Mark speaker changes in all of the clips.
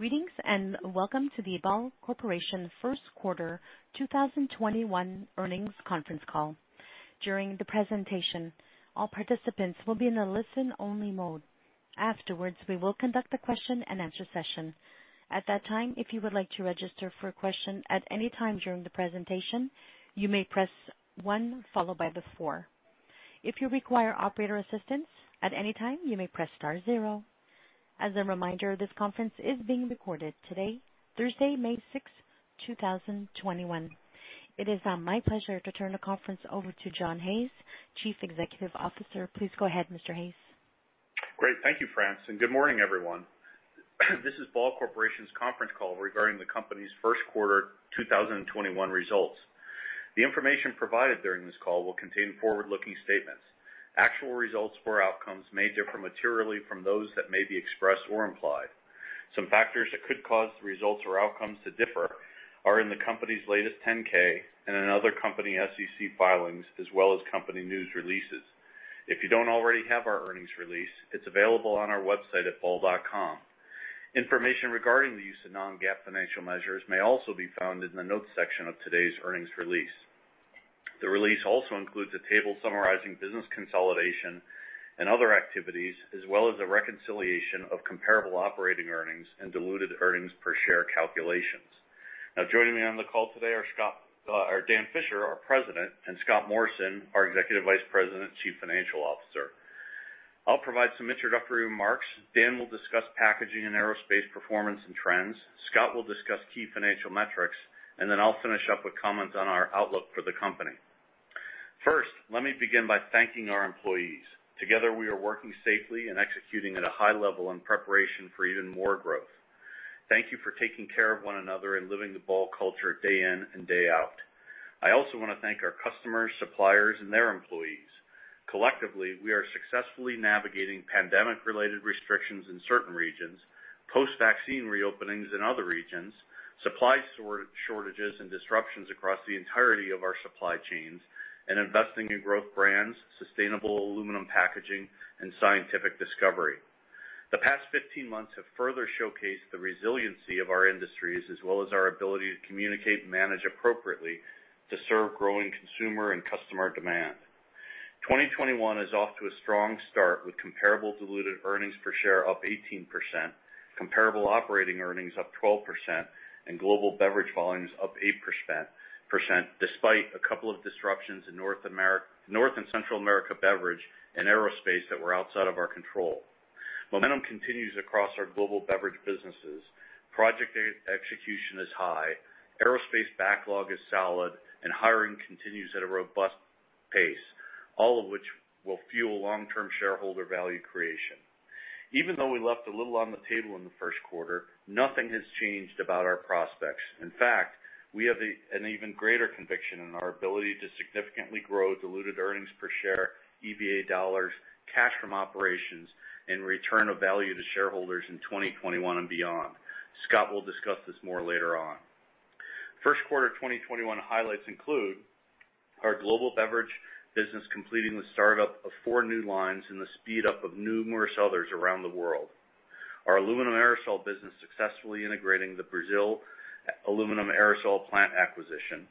Speaker 1: Greetings, welcome to the Ball Corporation first quarter 2021 earnings conference call. During the presentation, all participants will be in a listen-only mode. Afterwards, we will conduct a question-and-answer session. At that time, if you would like to register for a question at any time during the presentation, you may press one followed by the four. If you require operator assistance at any time, you may press star zero. As a reminder, this conference is being recorded today, Thursday, May 6, 2021. It is my pleasure to turn the conference over to John Hayes, Chief Executive Officer. Please go ahead, Mr. Hayes.
Speaker 2: Great. Thank you, France. Good morning, everyone. This is Ball Corporation's conference call regarding the company's first quarter 2021 results. The information provided during this call will contain forward-looking statements. Actual results for outcomes may differ materially from those that may be expressed or implied. Some factors that could cause the results or outcomes to differ are in the company's latest 10-K and in other company SEC filings, as well as company news releases. If you don't already have our earnings release, it's available on our website at ball.com. Information regarding the use of non-GAAP financial measures may also be found in the notes section of today's earnings release. The release also includes a table summarizing business consolidation and other activities, as well as a reconciliation of comparable operating earnings and diluted earnings per share calculations. Now, joining me on the call today are Dan Fisher, our President, and Scott Morrison, our Executive Vice President, Chief Financial Officer. I'll provide some introductory remarks. Dan will discuss packaging and aerospace performance and trends. Scott will discuss key financial metrics, and then I'll finish up with comments on our outlook for the company. First, let me begin by thanking our employees. Together, we are working safely and executing at a high level in preparation for even more growth. Thank you for taking care of one another and living the Ball culture day in and day out. I also want to thank our customers, suppliers, and their employees. Collectively, we are successfully navigating pandemic-related restrictions in certain regions, post-vaccine reopenings in other regions, supply shortages and disruptions across the entirety of our supply chains, and investing in growth brands, sustainable aluminum packaging, and scientific discovery. The past 15 months have further showcased the resiliency of our industries, as well as our ability to communicate and manage appropriately to serve growing consumer and customer demand. 2021 is off to a strong start with comparable diluted earnings per share up 18%, comparable operating earnings up 12%, and global beverage volumes up 8% despite a couple of disruptions in North and Central America beverage and aerospace that were outside of our control. Momentum continues across our global beverage businesses. Project execution is high, aerospace backlog is solid, and hiring continues at a robust pace, all of which will fuel long-term shareholder value creation. Even though we left a little on the table in the first quarter, nothing has changed about our prospects. In fact, we have an even greater conviction in our ability to significantly grow diluted earnings per share, EVA dollars, cash from operations, and return of value to shareholders in 2021 and beyond. Scott will discuss this more later on. First quarter 2021 highlights include our global beverage business completing the startup of four new lines and the speed up of numerous others around the world. Our aluminum aerosol business successfully integrating the Brazil aluminum aerosol plant acquisition.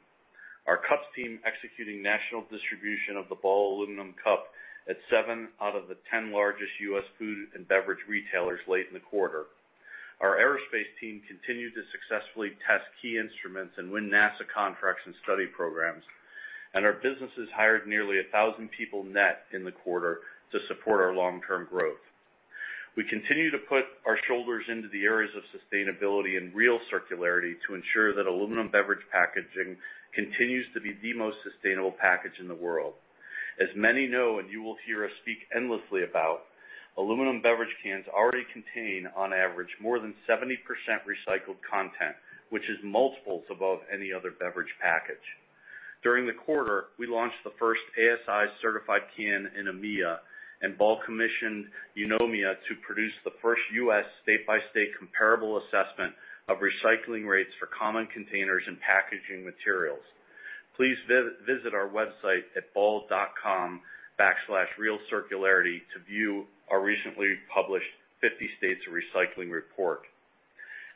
Speaker 2: Our cups team executing national distribution of the Ball Aluminum Cup at seven out of the 10 largest U.S. food and beverage retailers late in the quarter. Our aerospace team continued to successfully test key instruments and win NASA contracts and study programs. Our businesses hired nearly 1,000 people net in the quarter to support our long-term growth. We continue to put our shoulders into the areas of sustainability and real circularity to ensure that aluminum beverage packaging continues to be the most sustainable package in the world. As many know and you will hear us speak endlessly about, aluminum beverage cans already contain, on average, more than 70% recycled content, which is multiples above any other beverage package. During the quarter, we launched the first ASI-certified can in EMEA, and Ball commissioned Eunomia to produce the first U.S. state-by-state comparable assessment of recycling rates for common containers and packaging materials. Please visit our website at ball.com/realcircularity to view our recently published 50 States of Recycling report.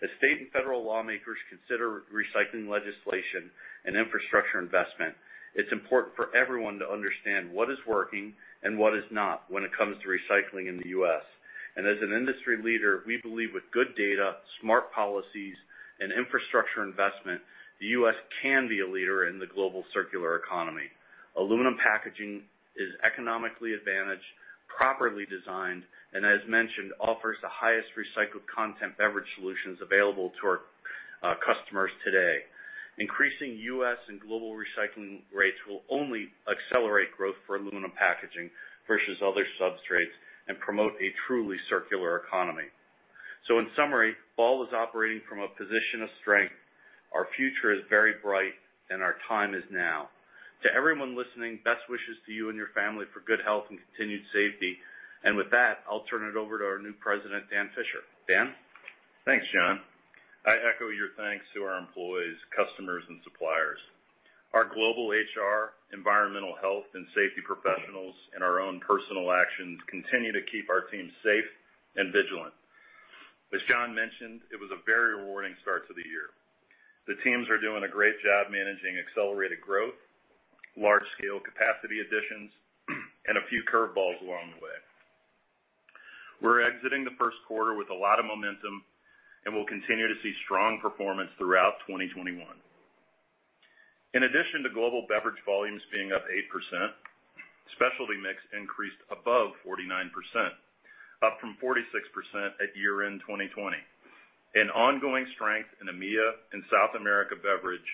Speaker 2: As state and federal lawmakers consider recycling legislation and infrastructure investment, it's important for everyone to understand what is working and what is not when it comes to recycling in the U.S. As an industry leader, we believe with good data, smart policies, and infrastructure investment, the U.S. can be a leader in the global circular economy. Aluminum packaging is economically advantaged, properly designed, and as mentioned, offers the highest recycled content beverage solutions available to our customers today. Increasing U.S. and global recycling rates will only accelerate growth for aluminum packaging versus other substrates and promote a truly circular economy. In summary, Ball is operating from a position of strength. Our future is very bright, and our time is now. To everyone listening, best wishes to you and your family for good health and continued safety. With that, I'll turn it over to our new President, Dan Fisher. Dan?
Speaker 3: Thanks, John. I echo your thanks to our employees, customers, and suppliers. Our global HR, environmental health, and safety professionals and our own personal actions continue to keep our team safe and vigilant. As John mentioned, it was a very rewarding start to the year. The teams are doing a great job managing accelerated growth, large-scale capacity additions, and a few curveballs along the way. We're exiting the first quarter with a lot of momentum, and we'll continue to see strong performance throughout 2021. In addition to global beverage volumes being up 8%, specialty mix increased above 49%, up from 46% at year-end 2020. An ongoing strength in EMEA and South America beverage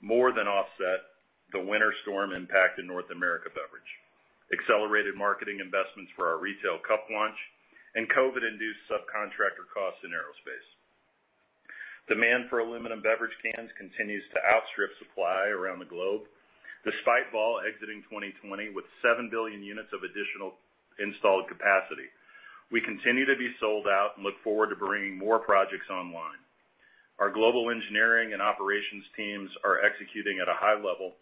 Speaker 3: more than offset the winter storm impact in North America beverage, accelerated marketing investments for our retail cup launch and COVID-induced subcontractor costs in aerospace. Demand for aluminum beverage cans continues to outstrip supply around the globe, despite Ball exiting 2020 with 7 billion units of additional installed capacity. We continue to be sold out and look forward to bringing more projects online. Our global engineering and operations teams are executing at a high level.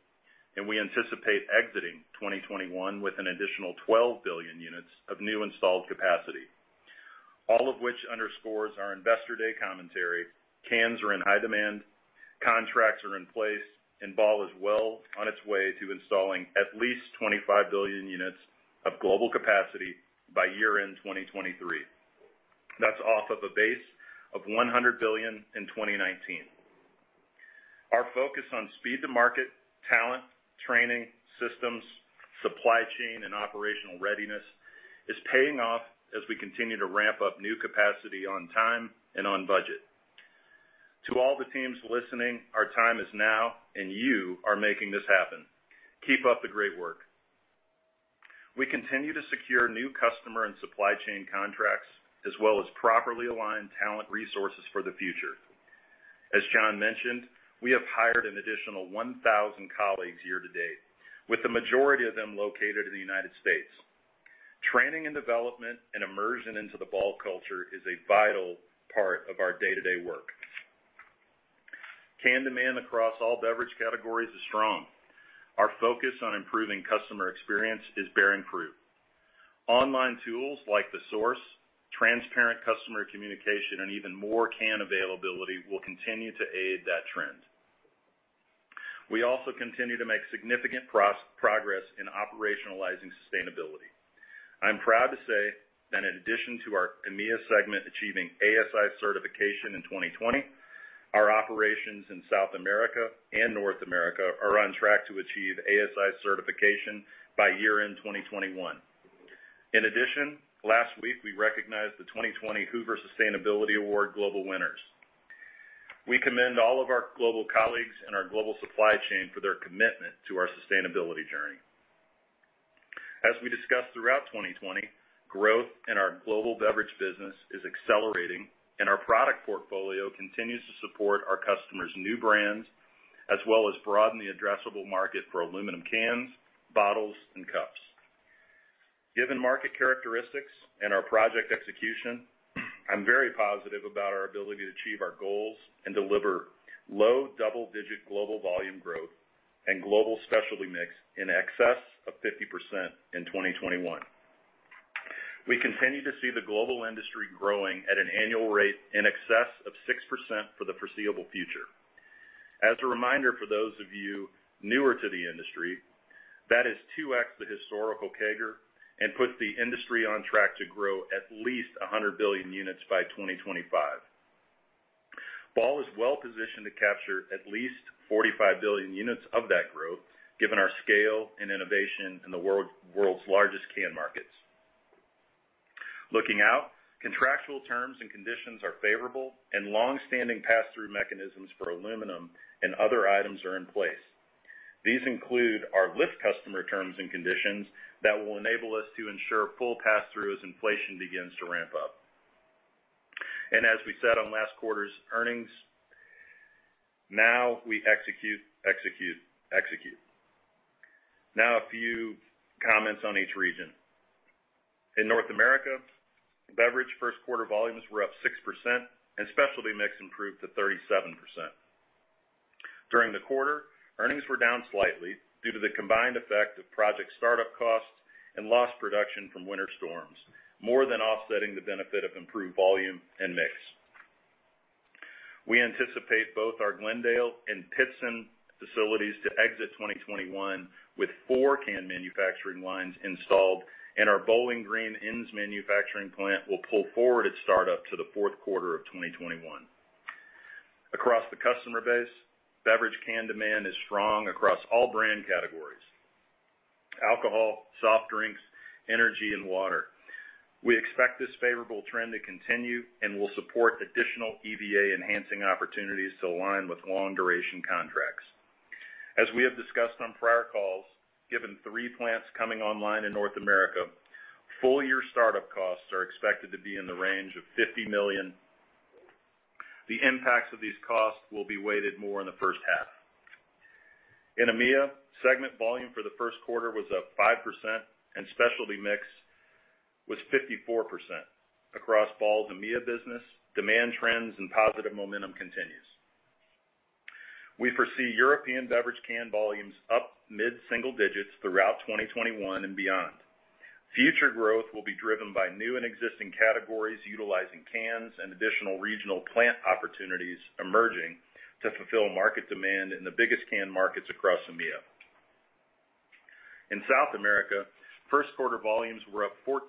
Speaker 3: We anticipate exiting 2021 with an additional 12 billion units of new installed capacity. All of which underscores our investor day commentary. Cans are in high demand, contracts are in place, and Ball is well on its way to installing at least 25 billion units of global capacity by year-end 2023. That's off of a base of 100 billion in 2019. Our focus on speed to market, talent, training, systems, supply chain, and operational readiness is paying off as we continue to ramp up new capacity on time and on budget. To all the teams listening, our time is now, and you are making this happen. Keep up the great work. We continue to secure new customer and supply chain contracts, as well as properly align talent resources for the future. As John mentioned, we have hired an additional 1,000 colleagues year to date, with the majority of them located in the United States. Training and development and immersion into the Ball culture is a vital part of our day-to-day work. Can demand across all beverage categories is strong. Our focus on improving customer experience is bearing fruit. Online tools like The Source, transparent customer communication, and even more can availability will continue to aid that trend. We also continue to make significant progress in operationalizing sustainability. I'm proud to say that in addition to our EMEA segment achieving ASI certification in 2020, our operations in South America and North America are on track to achieve ASI certification by year-end 2021. In addition, last week, we recognized the 2020 Hoover Sustainability Award Global winners. We commend all of our global colleagues and our global supply chain for their commitment to our sustainability journey. As we discussed throughout 2020, growth in our global beverage business is accelerating, and our product portfolio continues to support our customers' new brands, as well as broaden the addressable market for aluminum cans, bottles, and cups. Given market characteristics and our project execution, I'm very positive about our ability to achieve our goals and deliver low double-digit global volume growth and global specialty mix in excess of 50% in 2021. We continue to see the global industry growing at an annual rate in excess of 6% for the foreseeable future. As a reminder, for those of you newer to the industry, that is 2X the historical CAGR and puts the industry on track to grow at least 100 billion units by 2025. Ball is well-positioned to capture at least 45 billion units of that growth, given our scale and innovation in the world's largest can markets. Looking out, contractual terms and conditions are favorable, long-standing pass-through mechanisms for aluminum and other items are in place. These include our list customer terms and conditions that will enable us to ensure full pass-through as inflation begins to ramp up. As we said on last quarter's earnings, now we execute, execute. Now, a few comments on each region. In North America, beverage first quarter volumes were up 6%, and specialty mix improved to 37%. During the quarter, earnings were down slightly due to the combined effect of project startup costs and lost production from winter storms, more than offsetting the benefit of improved volume and mix. We anticipate both our Glendale and Pittston facilities to exit 2021 with four can manufacturing lines installed, and our Bowling Green ends manufacturing plant will pull forward its startup to the fourth quarter of 2021. Across the customer base, beverage can demand is strong across all brand categories: alcohol, soft drinks, energy, and water. We expect this favorable trend to continue and will support additional EVA-enhancing opportunities to align with long-duration contracts. As we have discussed on prior calls, given three plants coming online in North America, full-year startup costs are expected to be in the range of $50 million. The impacts of these costs will be weighted more in the first half. In EMEA, segment volume for the first quarter was up 5%, and specialty mix was 54%. Across Ball, the EMEA business, demand trends and positive momentum continues. We foresee European beverage can volumes up mid-single digits throughout 2021 and beyond. Future growth will be driven by new and existing categories utilizing cans and additional regional plant opportunities emerging to fulfill market demand in the biggest can markets across EMEA. In South America, first quarter volumes were up 14%,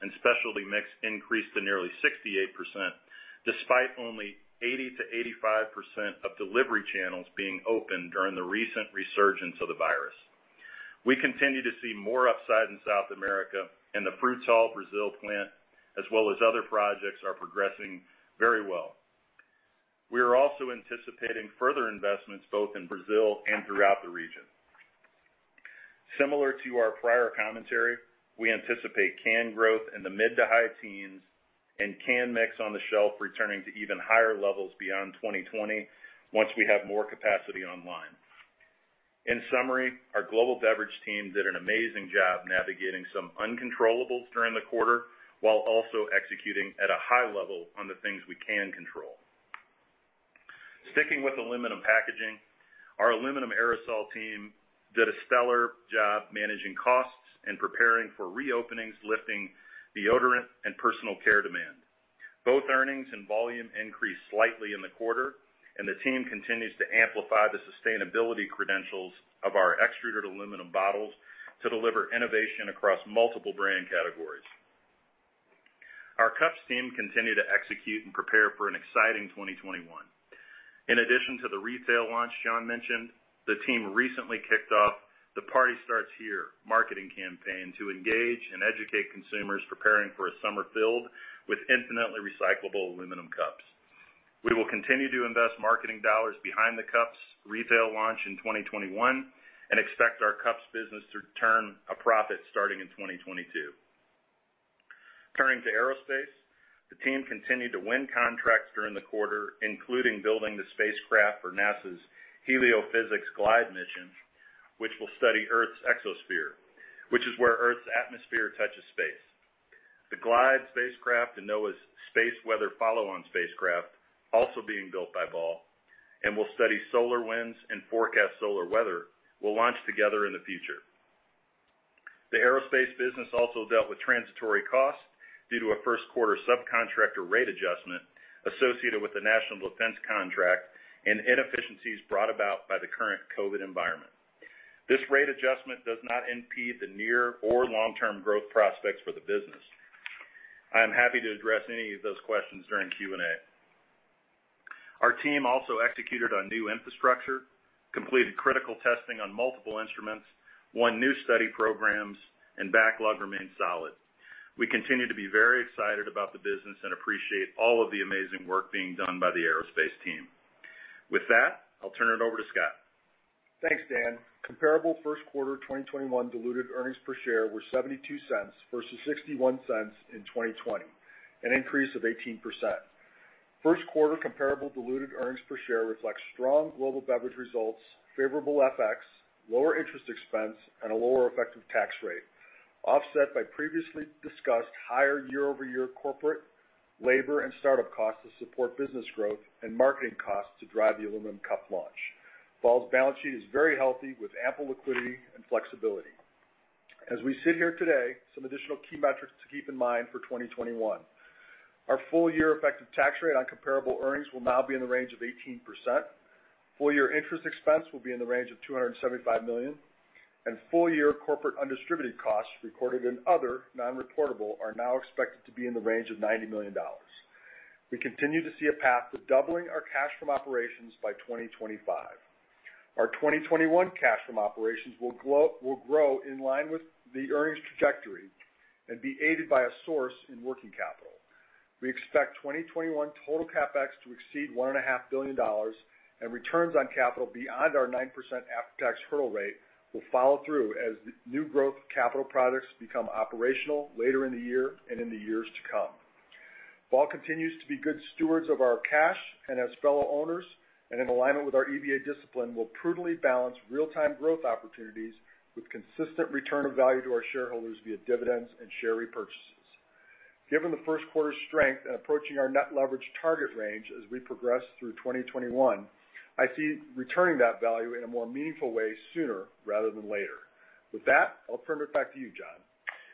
Speaker 3: and specialty mix increased to nearly 68%, despite only 80%-85% of delivery channels being open during the recent resurgence of the virus. We continue to see more upside in South America, and the Frutal Brazil plant, as well as other projects, are progressing very well. We are also anticipating further investments both in Brazil and throughout the region. Similar to our prior commentary, we anticipate can growth in the mid to high teens and can mix on the shelf returning to even higher levels beyond 2020 once we have more capacity online. In summary, our global beverage team did an amazing job navigating some uncontrollables during the quarter, while also executing at a high level on the things we can control. Sticking with aluminum packaging, our aluminum aerosol team did a stellar job managing costs and preparing for reopenings, lifting deodorant and personal care demand. Both earnings and volume increased slightly in the quarter, and the team continues to amplify the sustainability credentials of our extruded aluminum bottles to deliver innovation across multiple brand categories. Our cups team continued to execute and prepare for an exciting 2021. In addition to the retail launch John mentioned, the team recently kicked off the Party Starts Here marketing campaign to engage and educate consumers preparing for a summer filled with infinitely recyclable aluminum cups. We will continue to invest marketing dollars behind the cups retail launch in 2021 and expect our cups business to turn a profit starting in 2022. Turning to aerospace. The team continued to win contracts during the quarter, including building the spacecraft for NASA's Heliophysics GLIDE mission, which will study Earth's exosphere, which is where Earth's atmosphere touches space. The GLIDE spacecraft and NOAA's Space Weather Follow-On spacecraft, also being built by Ball, and will study solar winds and forecast solar weather, will launch together in the future. The aerospace business also dealt with transitory costs due to a first quarter subcontractor rate adjustment associated with the National Defense contract and inefficiencies brought about by the current COVID environment. This rate adjustment does not impede the near or long-term growth prospects for the business. I am happy to address any of those questions during Q&A. Our team also executed on new infrastructure, completed critical testing on multiple instruments, won new study programs, and backlog remained solid. We continue to be very excited about the business and appreciate all of the amazing work being done by the aerospace team. With that, I'll turn it over to Scott.
Speaker 4: Thanks, Dan. Comparable first quarter 2021 diluted earnings per share were $0.72 versus $0.61 in 2020, an increase of 18%. First quarter comparable diluted earnings per share reflects strong global beverage results, favorable FX, lower interest expense, and a lower effective tax rate, offset by previously discussed higher year-over-year corporate labor and startup costs to support business growth and marketing costs to drive the Ball Aluminum Cup launch. Ball's balance sheet is very healthy, with ample liquidity and flexibility. As we sit here today, some additional key metrics to keep in mind for 2021. Our full-year effective tax rate on comparable earnings will now be in the range of 18%. Full-year interest expense will be in the range of $275 million, and full-year corporate undistributed costs recorded in other non-reportable are now expected to be in the range of $90 million. We continue to see a path to doubling our cash from operations by 2025. Our 2021 cash from operations will grow in line with the earnings trajectory and be aided by a source in working capital. We expect 2021 total CapEx to exceed $1.5 billion, and returns on capital beyond our 9% after-tax hurdle rate will follow through as new growth capital projects become operational later in the year and in the years to come. Ball continues to be good stewards of our cash, and as fellow owners and in alignment with our EVA discipline, will prudently balance real-time growth opportunities with consistent return of value to our shareholders via dividends and share repurchases. Given the first quarter strength and approaching our net leverage target range as we progress through 2021, I see returning that value in a more meaningful way sooner rather than later. With that, I'll turn it back to you, John.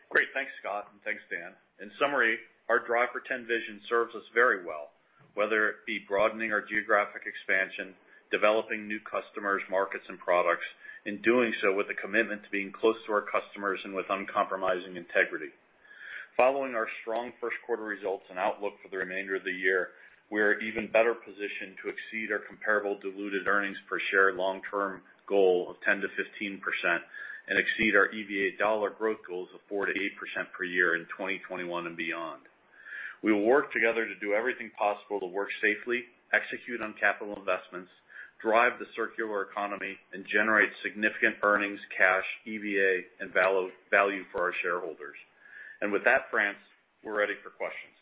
Speaker 2: Great. Thanks, Scott, and thanks, Dan. In summary, our Drive for 10 vision serves us very well, whether it be broadening our geographic expansion, developing new customers, markets, and products, and doing so with a commitment to being close to our customers and with uncompromising integrity. Following our strong first quarter results and outlook for the remainder of the year, we are even better positioned to exceed our comparable diluted earnings per share long-term goal of 10% to 15% and exceed our EVA dollar growth goals of 4% - 8% per year in 2021 and beyond. We will work together to do everything possible to work safely, execute on capital investments, drive the circular economy, and generate significant earnings, cash, EVA, and value for our shareholders. With that, France, we're ready for questions.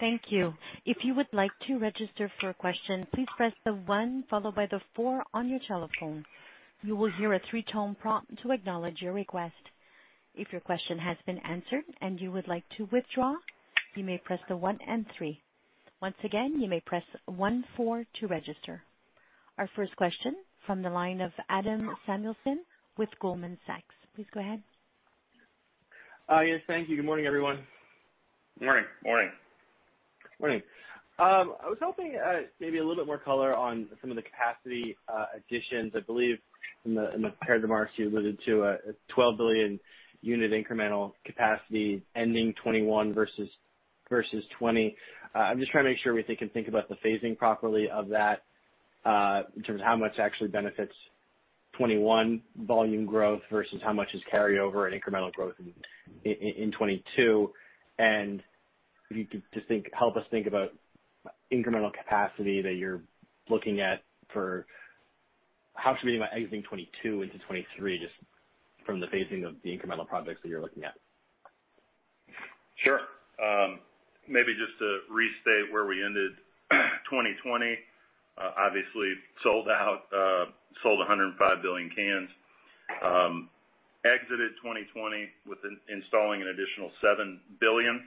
Speaker 1: Thank you. If you would like to register for a question, please press the one followed by the four on your telephone. You will hear a three-tone prompt to acknowledge your request. If your question has been answered and you would like to withdraw, you may press the one and three. Once again, you may press one four to register. Our first question from the line of Adam Samuelson with Goldman Sachs. Please go ahead.
Speaker 5: Yes, thank you. Good morning, everyone.
Speaker 3: Morning.
Speaker 4: Morning.
Speaker 5: Morning. I was hoping maybe a little bit more color on some of the capacity additions. I believe in the prepared remarks, you alluded to a 12 billion unit incremental capacity ending 2021 versus 2020. I'm just trying to make sure we can think about the phasing properly of that, in terms of how much actually benefits 2021 volume growth versus how much is carryover and incremental growth in 2022. If you could help us think about incremental capacity that you're looking at for how to be exiting 2022 into 2023, just from the phasing of the incremental projects that you're looking at.
Speaker 3: Sure. Maybe just to restate where we ended 2020. Obviously sold out, sold 105 billion cans. Exited 2020 with installing an additional seven billion.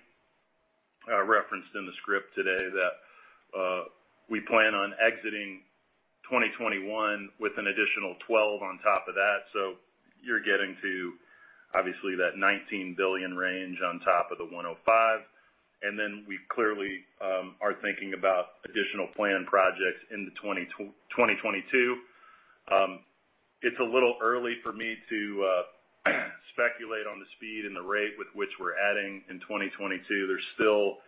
Speaker 3: Referenced in the script today that we plan on exiting 2021 with an additional 12 on top of that. You're getting to, obviously, that 19 billion range on top of the 105. We clearly are thinking about additional planned projects into 2022. It's a little early for me to speculate on the speed and the rate with which we're adding in 2022. There's still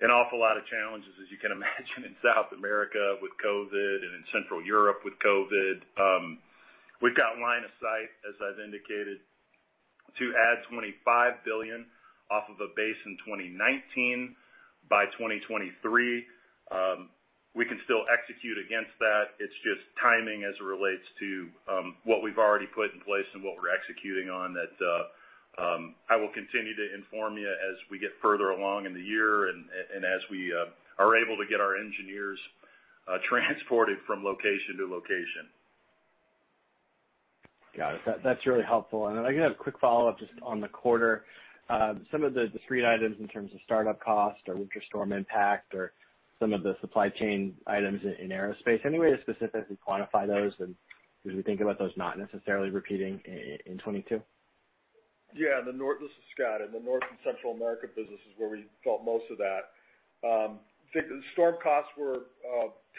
Speaker 3: an awful lot of challenges, as you can imagine, in South America with COVID and in Central Europe with COVID. We've got line of sight, as I've indicated, to add 25 billion off of a base in 2019. By 2023, we can still execute against that. It's just timing as it relates to what we've already put in place and what we're executing on that I will continue to inform you as we get further along in the year and as we are able to get our engineers transported from location to location.
Speaker 5: Got it. That's really helpful. Then I have a quick follow-up just on the quarter. Some of the discrete items in terms of startup cost or winter storm impact, or some of the supply chain items in Aerospace, any way to specifically quantify those and as we think about those not necessarily repeating in 2022?
Speaker 4: Yeah, this is Scott. In the North and Central America business is where we felt most of that. The storm costs were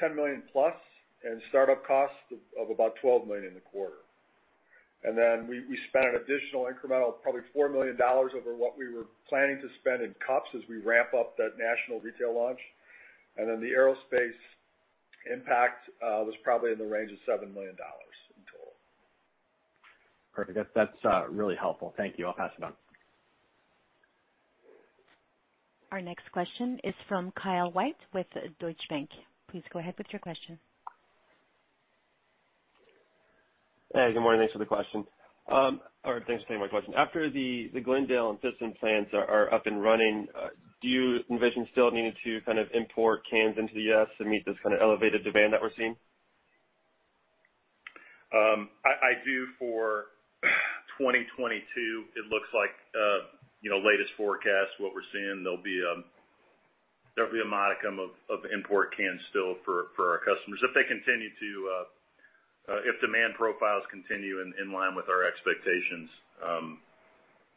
Speaker 4: $10+ million, and startup costs of about $12 million in the quarter. We spent an additional incremental of probably $4 million over what we were planning to spend in cups as we ramp up that national retail launch. The aerospace impact was probably in the range of $7 million in total.
Speaker 5: Perfect. That's really helpful. Thank you. I'll pass it on.
Speaker 1: Our next question is from Kyle White with Deutsche Bank. Please go ahead with your question.
Speaker 6: Hey, good morning. Thanks for the question. Thanks for taking my question. After the Glendale and Pittston plants are up and running, do you envision still needing to kind of import cans into the U.S. to meet this kind of elevated demand that we're seeing?
Speaker 3: I do for 2022. It looks like latest forecast, what we're seeing, there'll be a modicum of import cans still for our customers if demand profiles continue in line with our expectations.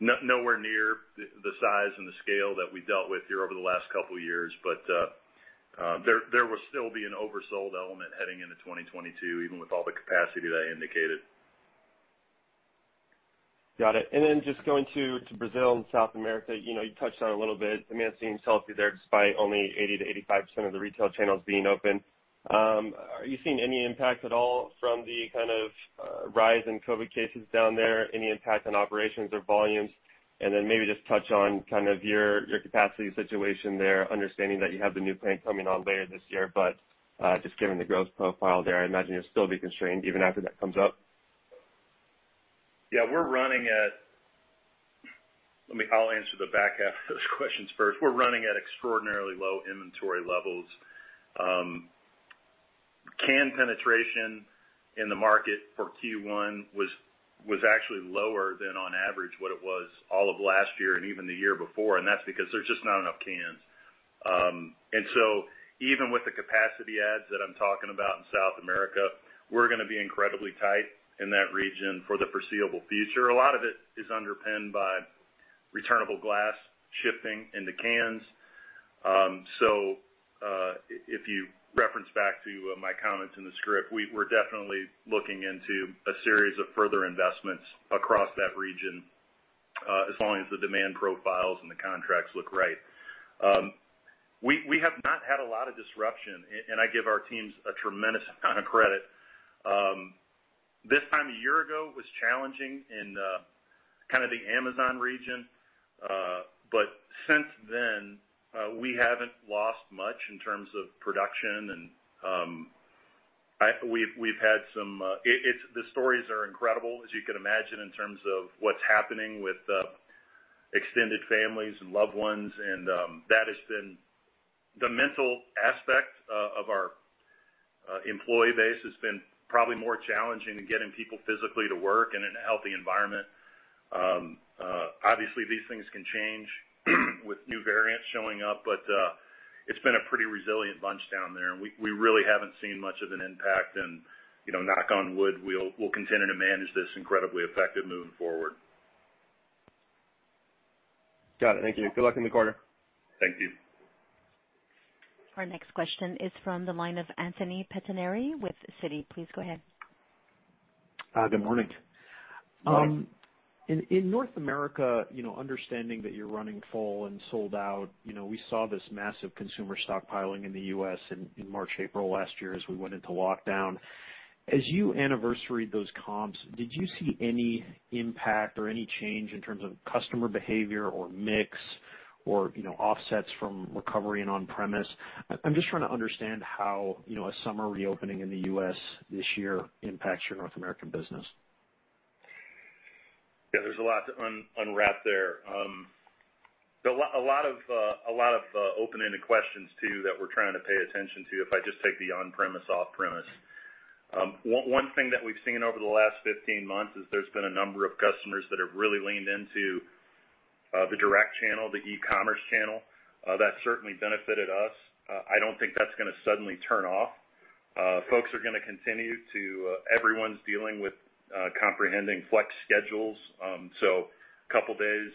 Speaker 3: Nowhere near the size and the scale that we dealt with here over the last couple of years, but there will still be an oversold element heading into 2022, even with all the capacity that I indicated.
Speaker 6: Got it. Then just going to Brazil and South America, you touched on it a little bit. Demand seems healthy there despite only 80% - 85% of the retail channels being open. Are you seeing any impact at all from the kind of rise in COVID cases down there? Any impact on operations or volumes? Then maybe just touch on kind of your capacity situation there, understanding that you have the new plant coming on later this year, but just given the growth profile there, I imagine you'll still be constrained even after that comes up.
Speaker 3: Yeah, I'll answer the back half of those questions first. We're running at extraordinarily low inventory levels. Can penetration in the market for Q1 was actually lower than on average what it was all of last year and even the year before. That's because there's just not enough cans. Even with the capacity adds that I'm talking about in South America, we're going to be incredibly tight in that region for the foreseeable future. A lot of it is underpinned by returnable glass shifting into cans. If you reference back to my comments in the script, we're definitely looking into a series of further investments across that region, as long as the demand profiles and the contracts look right. We have not had a lot of disruption, and I give our teams a tremendous amount of credit. This time a year ago was challenging in kind of the Amazon region. Since then, we haven't lost much in terms of production. The stories are incredible, as you can imagine, in terms of what's happening with extended families and loved ones. That has been the mental aspect of our employee base has been probably more challenging than getting people physically to work and in a healthy environment. Obviously, these things can change with new variants showing up, but it's been a pretty resilient bunch down there, and we really haven't seen much of an impact and knock on wood, we'll continue to manage this incredibly effective moving forward.
Speaker 6: Got it. Thank you. Good luck in the quarter.
Speaker 3: Thank you.
Speaker 1: Our next question is from the line of Anthony Pettinari with Citi. Please go ahead.
Speaker 7: Good morning.
Speaker 3: Good morning.
Speaker 7: In North America, understanding that you're running full and sold out, we saw this massive consumer stockpiling in the U.S. in March, April last year as we went into lockdown. As you anniversary those comps, did you see any impact or any change in terms of customer behavior or mix or offsets from recovery and on-premise? I'm just trying to understand how a summer reopening in the U.S. this year impacts your North American business.
Speaker 3: Yeah, there is a lot to unwrap there. A lot of open-ended questions, too, that we are trying to pay attention to, if I just take the on-premise, off-premise. One thing that we have seen over the last 15 months is there has been a number of customers that have really leaned into the direct channel, the e-commerce channel. That certainly benefited us. I do not think that is going to suddenly turn off. Folks are going to continue. Everyone is dealing with comprehending flex schedules. A couple of days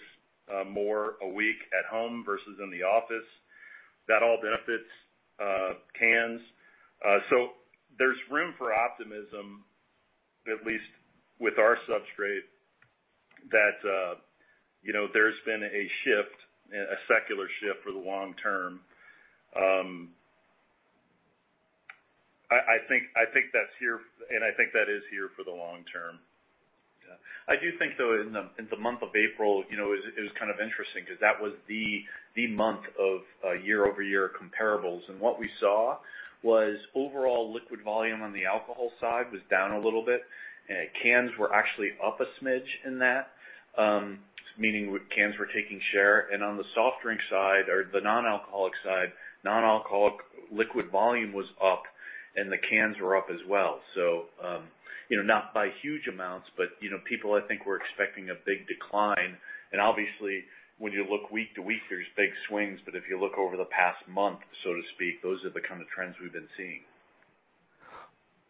Speaker 3: more a week at home versus in the office. That all benefits cans. There is room for optimism, at least with our substrate, that there has been a shift, a secular shift for the long term. I think that is here, and I think that is here for the long term. I do think, though, in the month of April, it was kind of interesting because that was the month of year-over-year comparables. What we saw was overall liquid volume on the alcohol side was down a little bit. Cans were actually up a smidge in that, meaning cans were taking share. On the soft drink side or the non-alcoholic side, non-alcoholic liquid volume was up, and the cans were up as well. Not by huge amounts, but people I think were expecting a big decline. Obviously, when you look week-to-week, there's big swings. If you look over the past month, so to speak, those are the kind of trends we've been seeing.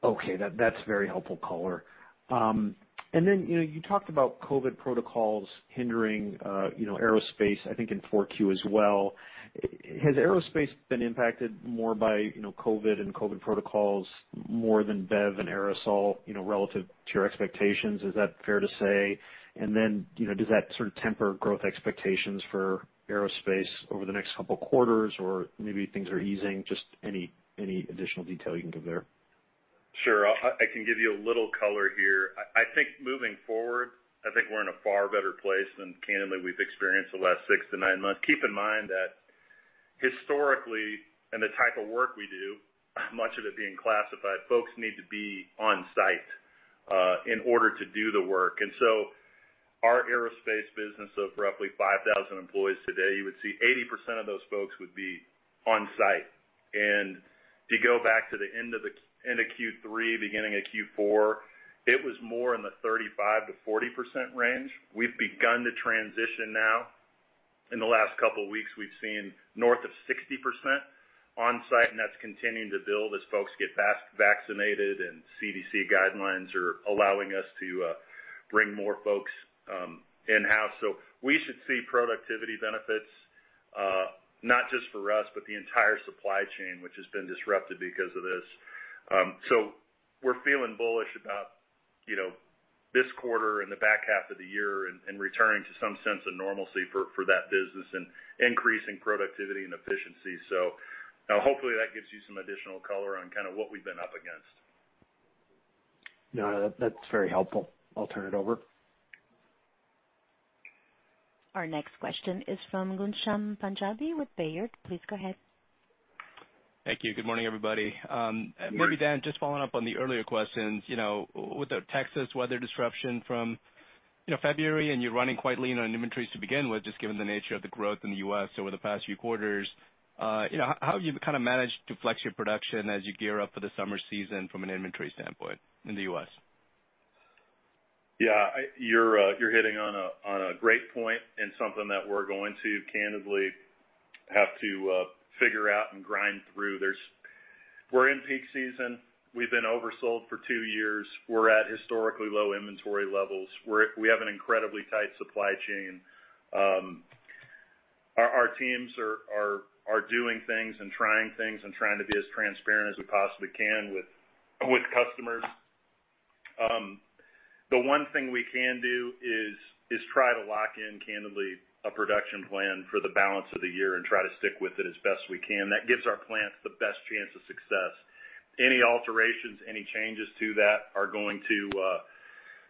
Speaker 7: Okay. That's very helpful color. You talked about COVID protocols hindering aerospace, I think in 4Q as well. Has aerospace been impacted more by COVID and COVID protocols more than bev and aerosol relative to your expectations? Is that fair to say? Does that sort of temper growth expectations for aerospace over the next couple quarters? Maybe things are easing? Just any additional detail you can give there.
Speaker 3: Sure. I can give you a little color here. I think moving forward, I think we're in a far better place than candidly we've experienced the last six to nine months. Keep in mind that historically and the type of work we do, much of it being classified, folks need to be on site in order to do the work. Our aerospace business of roughly 5,000 employees today, you would see 80% of those folks would be on site. To go back to the end of Q3, beginning of Q4, it was more in the 35%-40% range. We've begun to transition now. In the last couple of weeks, we've seen north of 60% on site, and that's continuing to build as folks get vaccinated and CDC guidelines are allowing us to bring more folks in-house. We should see productivity benefits, not just for us, but the entire supply chain, which has been disrupted because of this. We're feeling bullish about this quarter and the back half of the year and returning to some sense of normalcy for that business and increasing productivity and efficiency. Hopefully, that gives you some additional color on what we've been up against.
Speaker 7: No, that's very helpful. I'll turn it over.
Speaker 1: Our next question is from Ghansham Panjabi with Baird. Please go ahead.
Speaker 8: Thank you. Good morning, everybody.
Speaker 3: Good morning.
Speaker 8: Maybe, Dan, just following up on the earlier questions. With the Texas weather disruption from February and you're running quite lean on inventories to begin with, just given the nature of the growth in the U.S. over the past few quarters, how have you managed to flex your production as you gear up for the summer season from an inventory standpoint in the U.S.?
Speaker 3: Yeah, you're hitting on a great point and something that we're going to candidly have to figure out and grind through. We're in peak season. We've been oversold for two years. We're at historically low inventory levels. We have an incredibly tight supply chain. Our teams are doing things and trying things and trying to be as transparent as we possibly can with customers. The one thing we can do is try to lock in, candidly, a production plan for the balance of the year and try to stick with it as best we can. That gives our plants the best chance of success. Any alterations, any changes to that are going to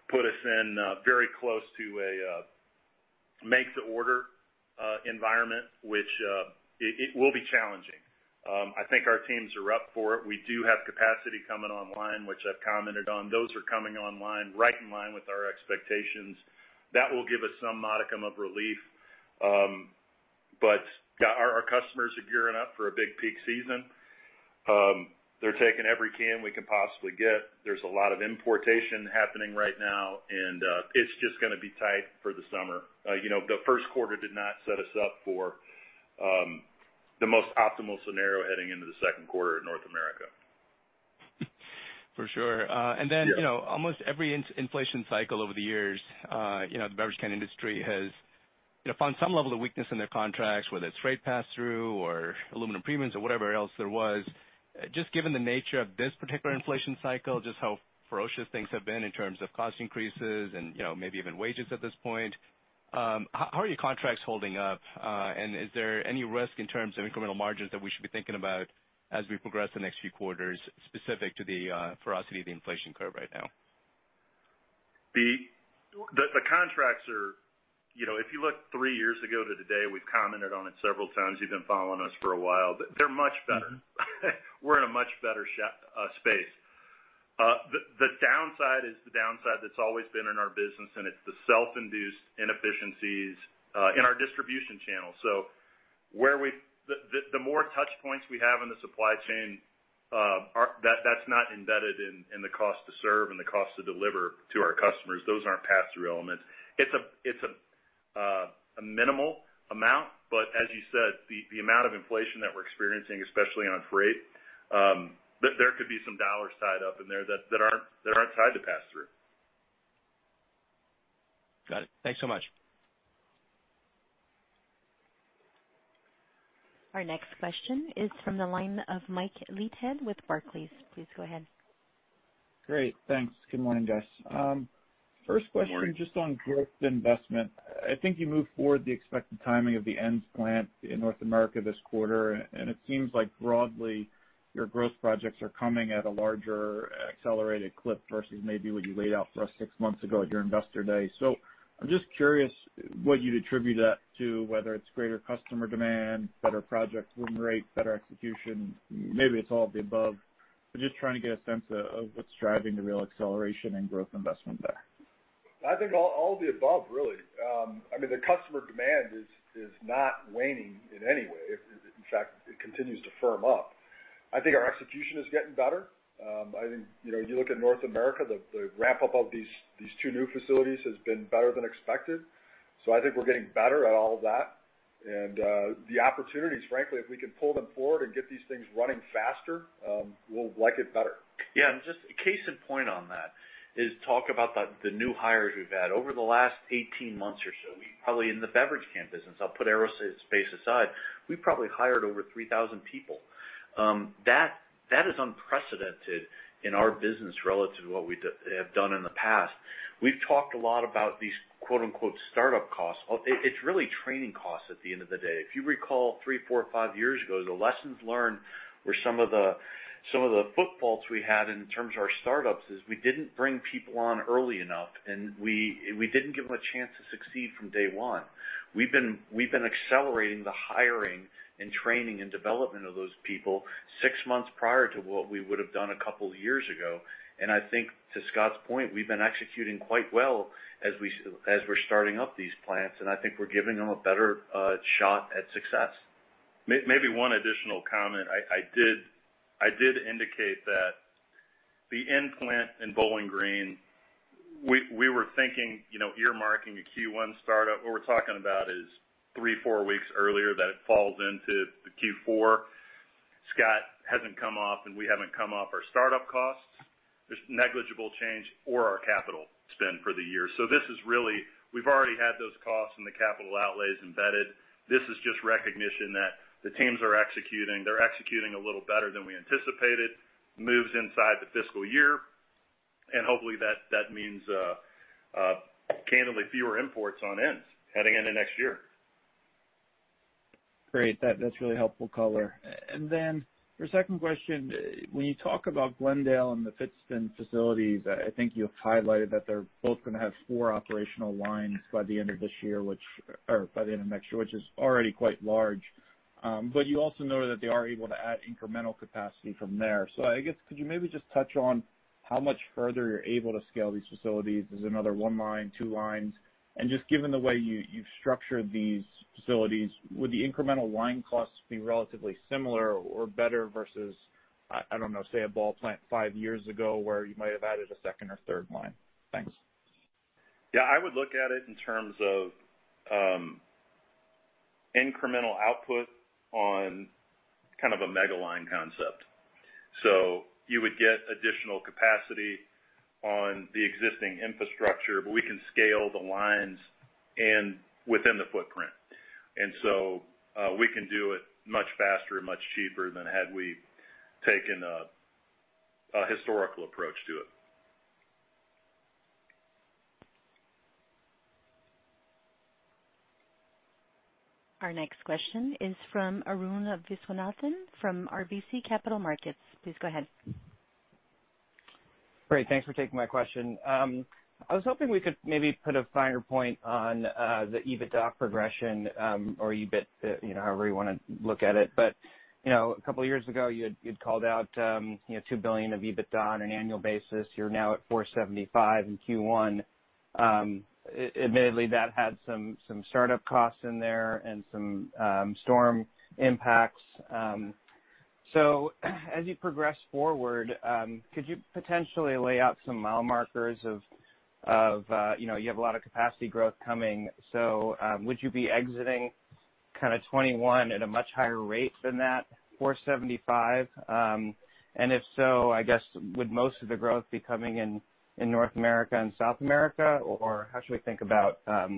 Speaker 3: put us in very close to a make-to-order environment, which it will be challenging. I think our teams are up for it. We do have capacity coming online, which I've commented on. Those are coming online right in line with our expectations. That will give us some modicum of relief. Our customers are gearing up for a big peak season. They're taking every can we can possibly get. There's a lot of importation happening right now, and it's just going to be tight for the summer. The first quarter did not set us up for the most optimal scenario heading into the second quarter in North America.
Speaker 8: For sure.
Speaker 3: Yeah
Speaker 8: almost every inflation cycle over the years, the beverage can industry has found some level of weakness in their contracts, whether it's freight pass-through or aluminum premiums or whatever else there was. Just given the nature of this particular inflation cycle, just how ferocious things have been in terms of cost increases and maybe even wages at this point, how are your contracts holding up? Is there any risk in terms of incremental margins that we should be thinking about as we progress the next few quarters specific to the ferocity of the inflation curve right now?
Speaker 3: The contracts, if you look three years ago to today, we've commented on it several times. You've been following us for a while, but they're much better. We're in a much better space. The downside is the downside that's always been in our business, and it's the self-induced inefficiencies in our distribution channel. The more touch points we have in the supply chain, that's not embedded in the cost to serve and the cost to deliver to our customers. Those aren't pass-through elements. It's a minimal amount, but as you said, the amount of inflation that we're experiencing, especially on freight, there could be some dollar tied up in there that aren't tied to pass-through.
Speaker 8: Got it. Thanks so much.
Speaker 1: Our next question is from the line of Michael Leithead with Barclays. Please go ahead.
Speaker 9: Great. Thanks. Good morning, guys.
Speaker 3: Good morning.
Speaker 9: First question, just on growth investment. I think you moved forward the expected timing of the ends plant in North America this quarter, and it seems like broadly, your growth projects are coming at a larger accelerated clip versus maybe what you laid out for us six months ago at your investor day. I'm just curious what you'd attribute that to, whether it's greater customer demand, better project run rate, better execution. Maybe it's all of the above, but just trying to get a sense of what's driving the real acceleration in growth investment there.
Speaker 3: I think all of the above, really. The customer demand is not waning in any way. In fact, it continues to firm up. I think our execution is getting better. You look at North America, the ramp-up of these two new facilities has been better than expected. I think we're getting better at all of that. The opportunities, frankly, if we can pull them forward and get these things running faster, we'll like it better.
Speaker 2: Just a case in point on that is talk about the new hires we’ve had. Over the last 18 months or so, probably in the beverage can business, I’ll put aerospace aside, we probably hired over 3,000 people. That is unprecedented in our business relative to what we have done in the past. We’ve talked a lot about these "startup costs." It’s really training costs at the end of the day. If you recall, three, four, five years ago, the lessons learned were some of the foot faults we had in terms of our startups is we didn’t bring people on early enough, and we didn’t give them a chance to succeed from day one. We’ve been accelerating the hiring and training and development of those people six months prior to what we would have done a couple years ago. I think to Scott's point, we've been executing quite well as we're starting up these plants, and I think we're giving them a better shot at success.
Speaker 3: Maybe one additional comment. I did indicate that the end plant in Bowling Green, we were thinking earmarking a Q1 startup. What we're talking about is three, four weeks earlier that it falls into the Q4. Scott hasn't come off and we haven't come off our startup costs. There's negligible change or our capital spend for the year. This is really, we've already had those costs and the capital outlays embedded. This is just recognition that the teams are executing. They're executing a little better than we anticipated, moves inside the fiscal year. Hopefully that means candidly fewer imports on ends heading into next year.
Speaker 9: Great. That's really helpful color. For a second question, when you talk about Glendale and the Pittston facilities, I think you've highlighted that they're both going to have four operational lines by the end of next year, which is already quite large. You also noted that they are able to add incremental capacity from there. I guess could you maybe just touch on how much further you're able to scale these facilities? Is it another one line, two lines? Just given the way you've structured these facilities, would the incremental line costs be relatively similar or better versus, I don't know, say, a Ball plant five years ago where you might have added a second or third line? Thanks.
Speaker 3: Yeah, I would look at it in terms of incremental output on kind of a mega line concept. You would get additional capacity on the existing infrastructure, but we can scale the lines within the footprint. We can do it much faster and much cheaper than had we taken a historical approach to it.
Speaker 1: Our next question is from Arun Viswanathan from RBC Capital Markets. Please go ahead.
Speaker 10: Great. Thanks for taking my question. I was hoping we could maybe put a finer point on the EBITDA progression, or EBIT, however you want to look at it. A couple of years ago, you had called out $2 billion of EBITDA on an annual basis. You're now at $475 in Q1. Admittedly, that had some startup costs in there and some storm impacts. As you progress forward, could you potentially lay out some mile markers of, you have a lot of capacity growth coming, so would you be exiting kind of 2021 at a much higher rate than that $475? If so, I guess, would most of the growth be coming in North America and South America? How should we think about the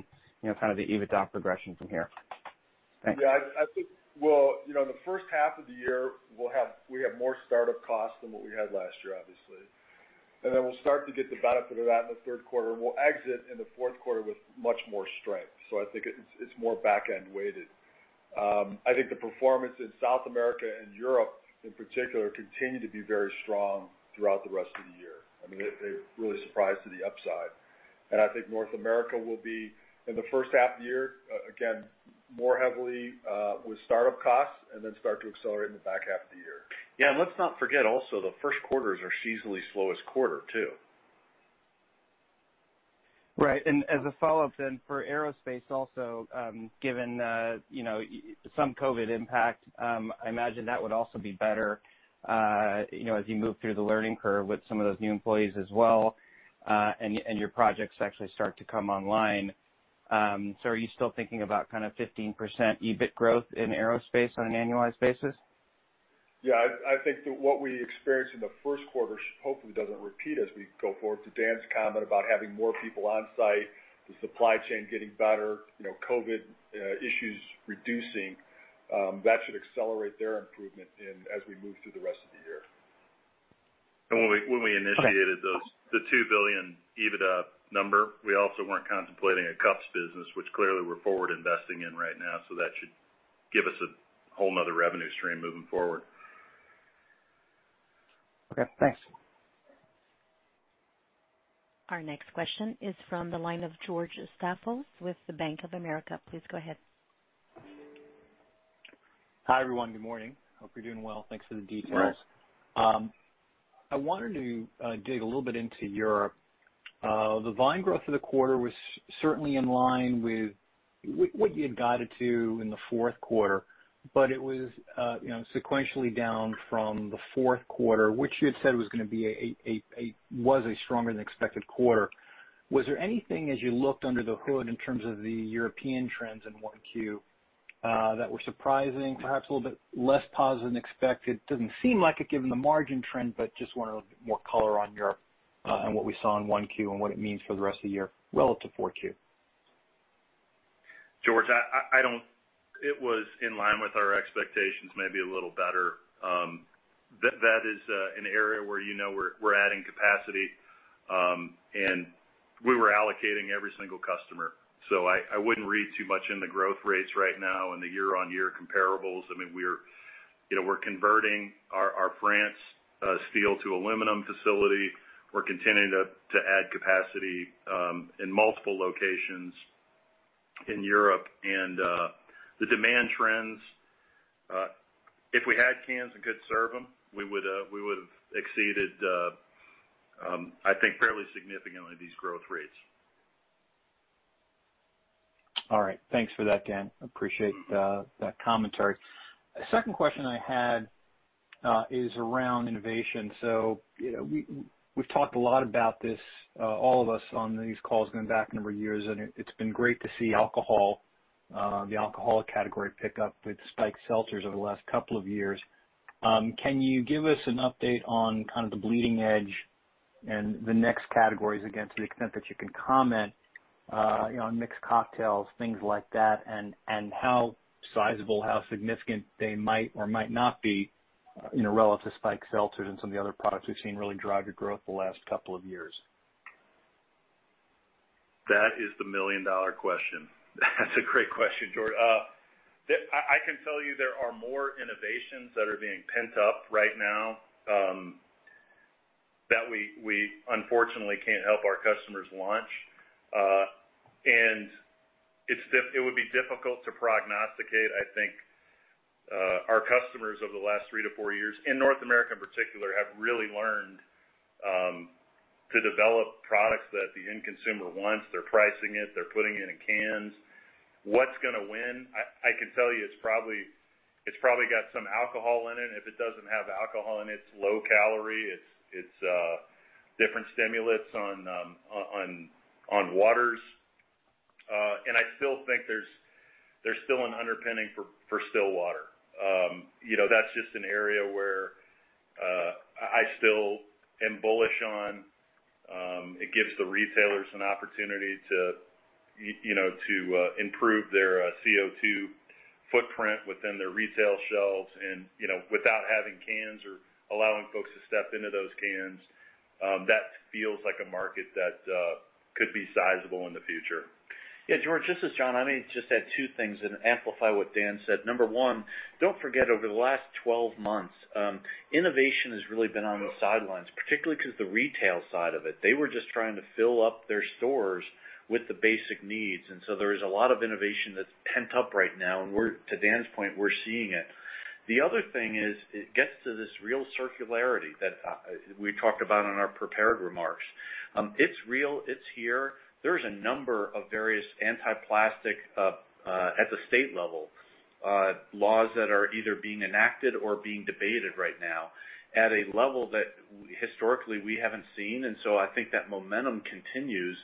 Speaker 10: EBITDA progression from here? Thanks.
Speaker 4: Yeah, I think in the first half of the year, we have more startup costs than what we had last year, obviously. Then we'll start to get the benefit of that in the third quarter, and we'll exit in the fourth quarter with much more strength. I think it's more back-end weighted. I think the performance in South America and Europe, in particular, continue to be very strong throughout the rest of the year. I mean, they've really surprised to the upside. I think North America will be, in the first half of the year, again, more heavily with startup costs and then start to accelerate in the back half of the year.
Speaker 3: Yeah, let's not forget also, the first quarters are seasonally slowest quarter, too.
Speaker 10: Right. As a follow-up then, for aerospace also, given some COVID impact, I imagine that would also be better as you move through the learning curve with some of those new employees as well. Your projects actually start to come online. Are you still thinking about kind of 15% EBIT growth in aerospace on an annualized basis?
Speaker 4: Yeah, I think that what we experienced in the first quarter hopefully doesn't repeat as we go forward. To Dan's comment about having more people on site, the supply chain getting better, COVID issues reducing, that should accelerate their improvement as we move through the rest of the year.
Speaker 3: When we initiated the 2 billion EBITDA number, we also weren't contemplating a cups business, which clearly we're forward investing in right now. That should give us a whole other revenue stream moving forward.
Speaker 10: Okay, thanks.
Speaker 1: Our next question is from the line of George Staphos with the Bank of America. Please go ahead.
Speaker 11: Hi, everyone. Good morning. Hope you're doing well. Thanks for the details. I wanted to dig a little bit into Europe. The volume growth for the quarter was certainly in line with what you had guided to in the fourth quarter, but it was sequentially down from the fourth quarter, which you had said was a stronger than expected quarter. Was there anything as you looked under the hood in terms of the European trends in 1Q that were surprising, perhaps a little bit less positive than expected? Doesn't seem like it, given the margin trend, but just wanted a little bit more color on Europe and what we saw in 1Q and what it means for the rest of the year relative to 4Q.
Speaker 3: George, it was in line with our expectations, maybe a little better. That is an area where we're adding capacity. We were allocating every single customer. I wouldn't read too much in the growth rates right now and the year-on-year comparables. We're converting our France steel to aluminum facility. We're continuing to add capacity in multiple locations in Europe. The demand trends, if we had cans and could serve them, we would have exceeded, I think, fairly significantly these growth rates.
Speaker 11: All right. Thanks for that, Dan. Appreciate that commentary. Second question I had is around innovation. We've talked a lot about this, all of us on these calls going back a number of years, and it's been great to see the alcohol category pick up with spiked seltzers over the last couple of years. Can you give us an update on kind of the bleeding edge and the next categories, again, to the extent that you can comment, on mixed cocktails, things like that, and how sizable, how significant they might or might not be, relative to spiked seltzers and some of the other products we've seen really drive your growth the last couple of years?
Speaker 3: That is the million-dollar question. That's a great question, George. I can tell you there are more innovations that are being pent up right now that we unfortunately can't help our customers launch. It would be difficult to prognosticate. I think our customers over the last three to four years, in North America in particular, have really learned to develop products that the end consumer wants. They're pricing it. They're putting it in cans. What's going to win? I can tell you it's probably got some alcohol in it. If it doesn't have alcohol in it's low calorie. It's different stimulants on waters. I still think there's still an underpinning for still water. That's just an area where I still am bullish on. It gives the retailers an opportunity to improve their CO2 footprint within their retail shelves and without having cans or allowing folks to step into those cans. That feels like a market that could be sizable in the future.
Speaker 2: Yeah, George, this is John. I may just add two things and amplify what Dan said. Number one, don't forget, over the last 12 months, innovation has really been on the sidelines, particularly because the retail side of it. They were just trying to fill up their stores with the basic needs. There is a lot of innovation that's pent up right now, and to Dan's point, we're seeing it. The other thing is it gets to this real circularity that we talked about in our prepared remarks. It's real, it's here. There's a number of various anti-plastic, at the state level, laws that are either being enacted or being debated right now at a level that historically we haven't seen. I think that momentum continues,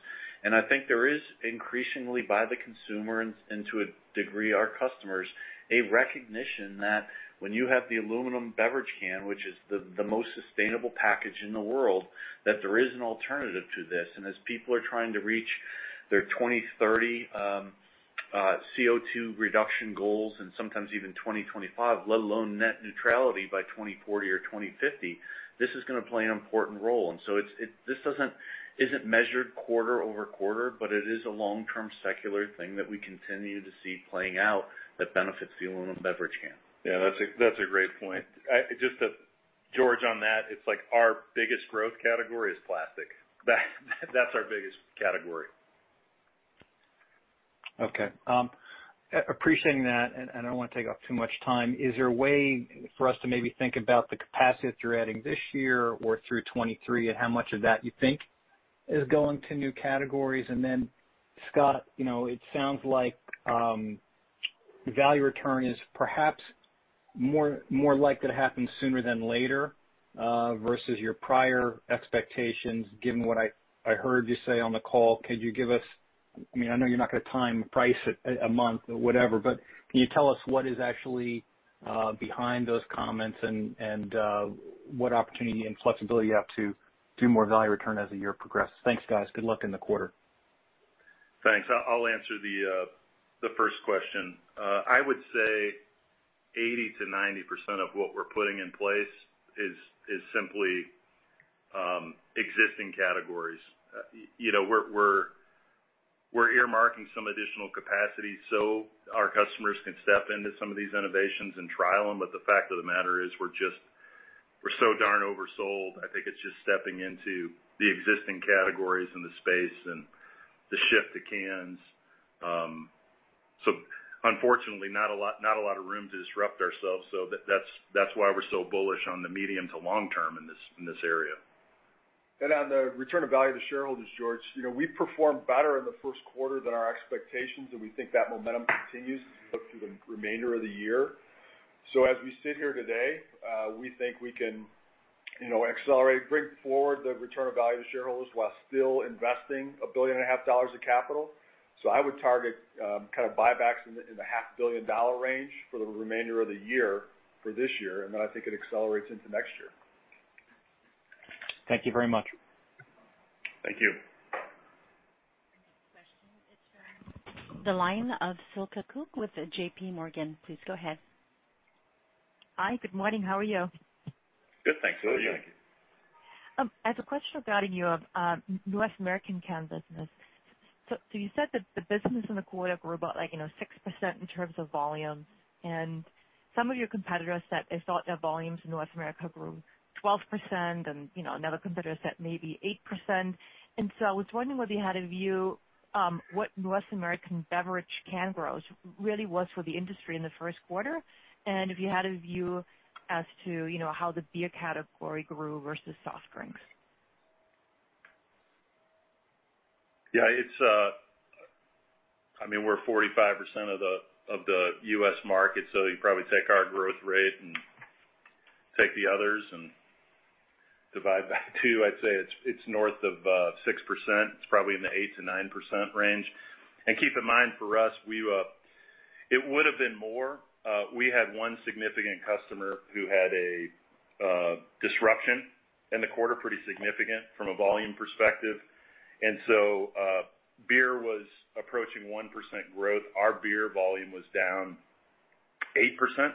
Speaker 2: and I think there is increasingly, by the consumer, and to a degree our customers, a recognition that when you have the aluminum beverage can, which is the most sustainable package in the world, that there is an alternative to this. As people are trying to reach their 2030 CO2 reduction goals, and sometimes even 2025, let alone net neutrality by 2040 or 2050, this is going to play an important role. This isn't measured quarter-over-quarter, but it is a long-term secular thing that we continue to see playing out that benefits the aluminum beverage can.
Speaker 3: Yeah, that's a great point. George, on that, it's like our biggest growth category is plastic. That's our biggest category.
Speaker 11: Okay. Appreciating that. I don't want to take up too much time. Is there a way for us to maybe think about the capacity that you're adding this year or through 2023, and how much of that you think is going to new categories? Then, Scott, it sounds like value return is perhaps more likely to happen sooner than later versus your prior expectations, given what I heard you say on the call. Could you give us, I know you're not going to time price it a month or whatever, but can you tell what is actually behind those comments, and what opportunity and flexibility you have to do more value return as the year progresses? Thanks, guys. Good luck in the quarter.
Speaker 3: Thanks. I'll answer the first question. I would say 80%-90% of what we're putting in place is simply existing categories. We're earmarking some additional capacity so our customers can step into some of these innovations and trial them. The fact of the matter is, we're so darn oversold. I think it's just stepping into the existing categories in the space and the shift to cans. Unfortunately, not a lot of room to disrupt ourselves. That's why we're so bullish on the medium to long term in this area.
Speaker 4: On the return of value to shareholders, George, we performed better in the first quarter than our expectations, and we think that momentum continues through the remainder of the year. As we sit here today, we think we can accelerate, bring forward the return of value to shareholders while still investing a billion and a half dollars of capital. I would target buybacks in the half a billion-dollar range for the remainder of the year for this year, and then I think it accelerates into next year.
Speaker 11: Thank you very much.
Speaker 3: Thank you.
Speaker 1: The next question is from the line of Silke Kueck with J.P. Morgan. Please go ahead.
Speaker 12: Hi. Good morning. How are you?
Speaker 3: Good, thanks. How are you?
Speaker 4: Good, thank you.
Speaker 12: I have a question regarding your North American can business. You said that the business in the quarter grew about 6% in terms of volume, and some of your competitors said they thought their volumes in North America grew 12%, and another competitor said maybe 8%. I was wondering whether you had a view what North American beverage can growth really was for the industry in the first quarter, and if you had a view as to how the beer category grew versus soft drinks.
Speaker 3: Yeah. We're 45% of the U.S. market, so you probably take our growth rate and take the others and divide by two. I'd say it's north of 6%. It's probably in the 8%-9% range. Keep in mind, for us, it would have been more. We had one significant customer who had a disruption in the quarter, pretty significant from a volume perspective. Beer was approaching 1% growth. Our beer volume was down 8%.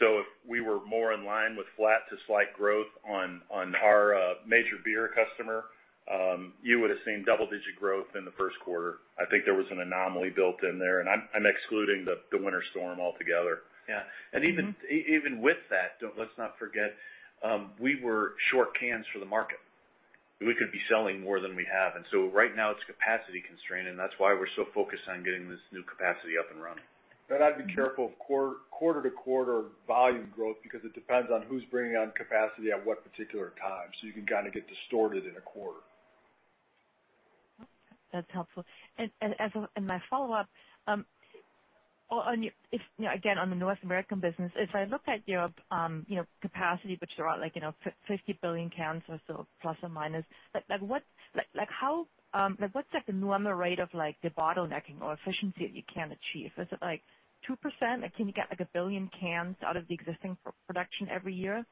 Speaker 3: If we were more in line with flat to slight growth on our major beer customer, you would have seen double-digit growth in the first quarter. I think there was an anomaly built in there, and I'm excluding the winter storm altogether.
Speaker 4: Yeah. Even with that, let's not forget, we were short cans for the market. We could be selling more than we have. Right now it's capacity constrained, and that's why we're so focused on getting this new capacity up and running.
Speaker 3: I'd be careful of quarter-to-quarter volume growth because it depends on who's bringing on capacity at what particular time. You can kind of get distorted in a quarter.
Speaker 12: That's helpful. My follow-up, again, on the North American business, if I look at your capacity, which are at 50 billion cans or so, plus or minus, what's the normal rate of debottlenecking or efficiency that you can achieve? Is it 2%? Can you get 1 billion cans out of the existing production every year?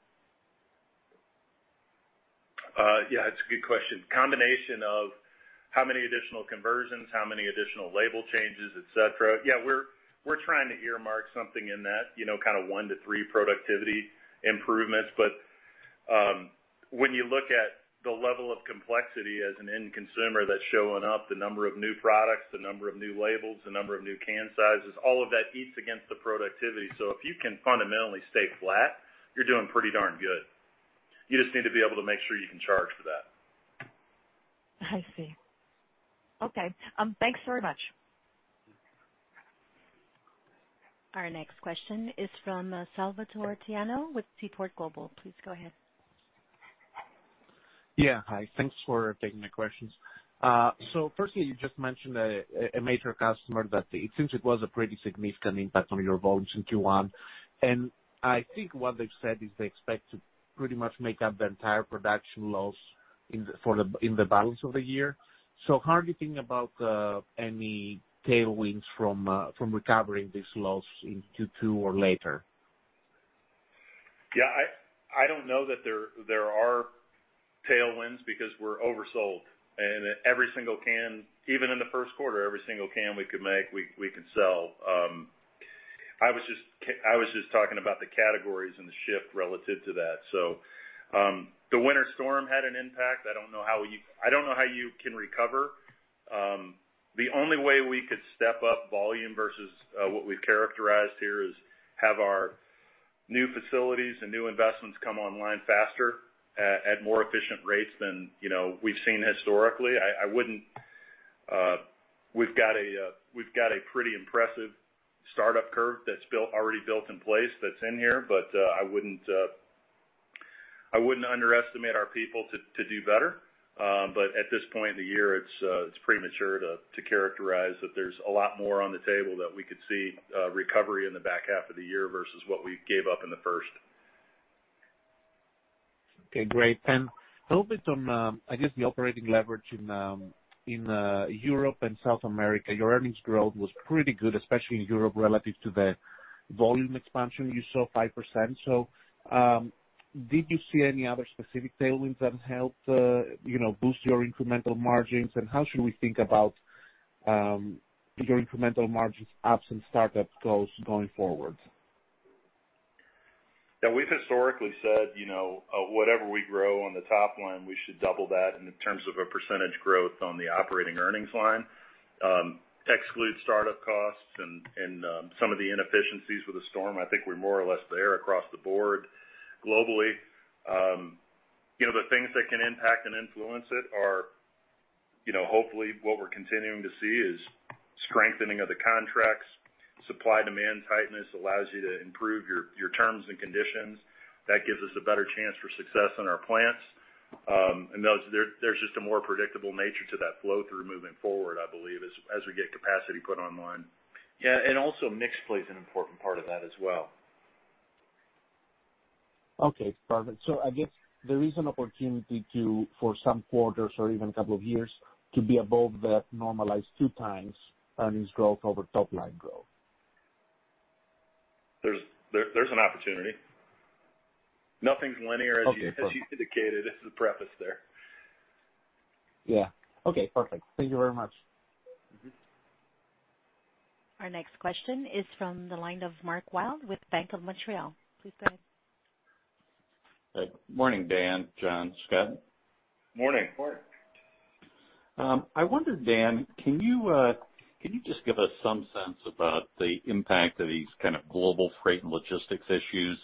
Speaker 3: It's a good question. Combination of how many additional conversions, how many additional label changes, et cetera. We're trying to earmark something in that one to three productivity improvements. When you look at the level of complexity as an end consumer that's showing up, the number of new products, the number of new labels, the number of new can sizes, all of that eats against the productivity. If you can fundamentally stay flat, you're doing pretty darn good. You just need to be able to make sure you can charge for that.
Speaker 12: I see. Okay. Thanks very much.
Speaker 1: Our next question is from Salvator Tiano with Seaport Global. Please go ahead.
Speaker 13: Yeah. Hi. Thanks for taking my questions. Firstly, you just mentioned a major customer that it seems it was a pretty significant impact on your volumes in Q1. I think what they've said is they expect to pretty much make up the entire production loss in the balance of the year. How are you thinking about any tailwinds from recovering this loss in Q2 or later?
Speaker 3: I don't know that there are tailwinds because we're oversold, and every single can, even in the first quarter, every single can we could make, we can sell. I was just talking about the categories and the shift relative to that. The winter storm had an impact. I don't know how you can recover. The only way we could step up volume versus what we've characterized here is have our new facilities and new investments come online faster at more efficient rates than we've seen historically. We've got a pretty impressive startup curve that's already built in place that's in here. I wouldn't underestimate our people to do better. At this point in the year, it's premature to characterize that there's a lot more on the table that we could see a recovery in the back half of the year versus what we gave up in the first.
Speaker 13: Okay, great. A little bit on, I guess, the operating leverage in Europe and South America. Your earnings growth was pretty good, especially in Europe, relative to the volume expansion. You saw 5%. Did you see any other specific tailwinds that helped boost your incremental margins, and how should we think about your incremental margins absent startup costs going forward?
Speaker 3: We've historically said, whatever we grow on the top line, we should double that in terms of a percentage growth on the operating earnings line. Exclude startup costs and some of the inefficiencies with the storm, I think we're more or less there across the board globally. The things that can impact and influence it are hopefully what we're continuing to see is strengthening of the contracts, supply-demand tightness allows you to improve your terms and conditions. That gives us a better chance for success in our plants. There's just a more predictable nature to that flow through moving forward, I believe, as we get capacity put online.
Speaker 2: Yeah, also mix plays an important part of that as well.
Speaker 13: Okay, perfect. I guess there is an opportunity to, for some quarters or even a couple of years, to be above that normalized 2x earnings growth over top line growth.
Speaker 3: There's an opportunity. Nothing's linear.
Speaker 13: Okay. Perfect.
Speaker 3: as you indicated as the preface there.
Speaker 13: Yeah. Okay, perfect. Thank you very much.
Speaker 1: Our next question is from the line of Mark Wilde with Bank of Montreal. Please go ahead.
Speaker 14: Morning, Dan, John, Scott.
Speaker 3: Morning.
Speaker 2: Morning.
Speaker 14: I wonder, Dan, can you just give us some sense about the impact of these kind of global freight and logistics issues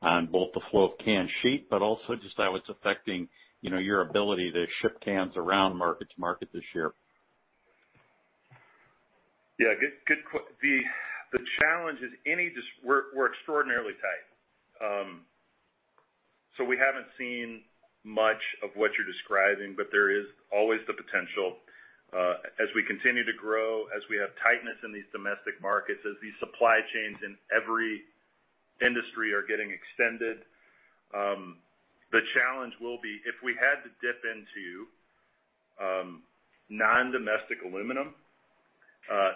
Speaker 14: on both the flow of canned sheet, but also just how it's affecting your ability to ship cans around market to market this year?
Speaker 3: Yeah. The challenge is we're extraordinarily tight. We haven't seen much of what you're describing, but there is always the potential. As we continue to grow, as we have tightness in these domestic markets, as these supply chains in every industry are getting extended, the challenge will be if we had to dip into non-domestic aluminum,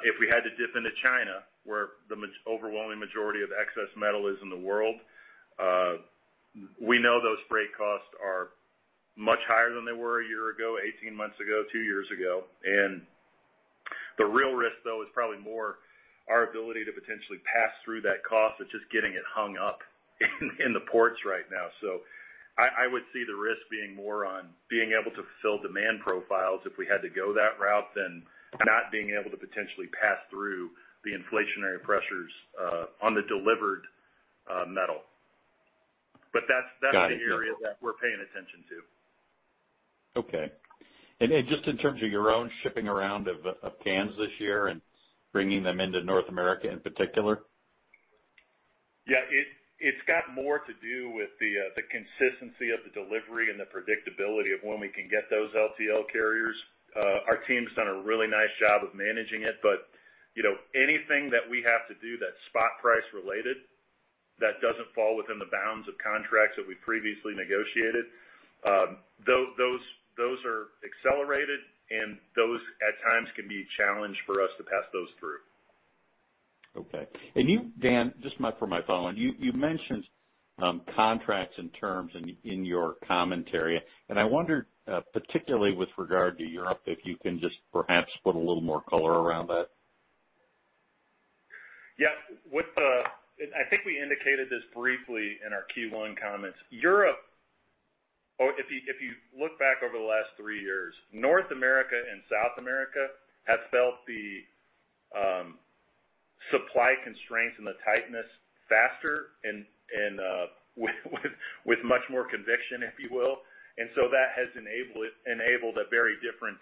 Speaker 3: if we had to dip into China, where the overwhelming majority of excess metal is in the world, we know those freight costs are much higher than they were a year ago, 18 months ago, two years ago. The real risk, though, is probably more our ability to potentially pass through that cost. It's just getting it hung up in the ports right now. I would see the risk being more on being able to fulfill demand profiles if we had to go that route than not being able to potentially pass through the inflationary pressures on the delivered metal. That's the area that we're paying attention to.
Speaker 14: Okay. Just in terms of your own shipping around of cans this year and bringing them into North America in particular?
Speaker 3: Yeah. It's got more to do with the consistency of the delivery and the predictability of when we can get those LTL carriers. Our team's done a really nice job of managing it, but anything that we have to do that's spot price related that doesn't fall within the bounds of contracts that we previously negotiated, those are accelerated, and those, at times, can be a challenge for us to pass those through.
Speaker 14: Okay. You, Dan, just for my follow-on. You mentioned contracts and terms in your commentary, and I wondered, particularly with regard to Europe, if you can just perhaps put a little more color around that.
Speaker 3: Yes. I think we indicated this briefly in our Q1 comments. If you look back over the last three years, North America and South America have felt the supply constraints and the tightness faster and with much more conviction, if you will. That has enabled a very different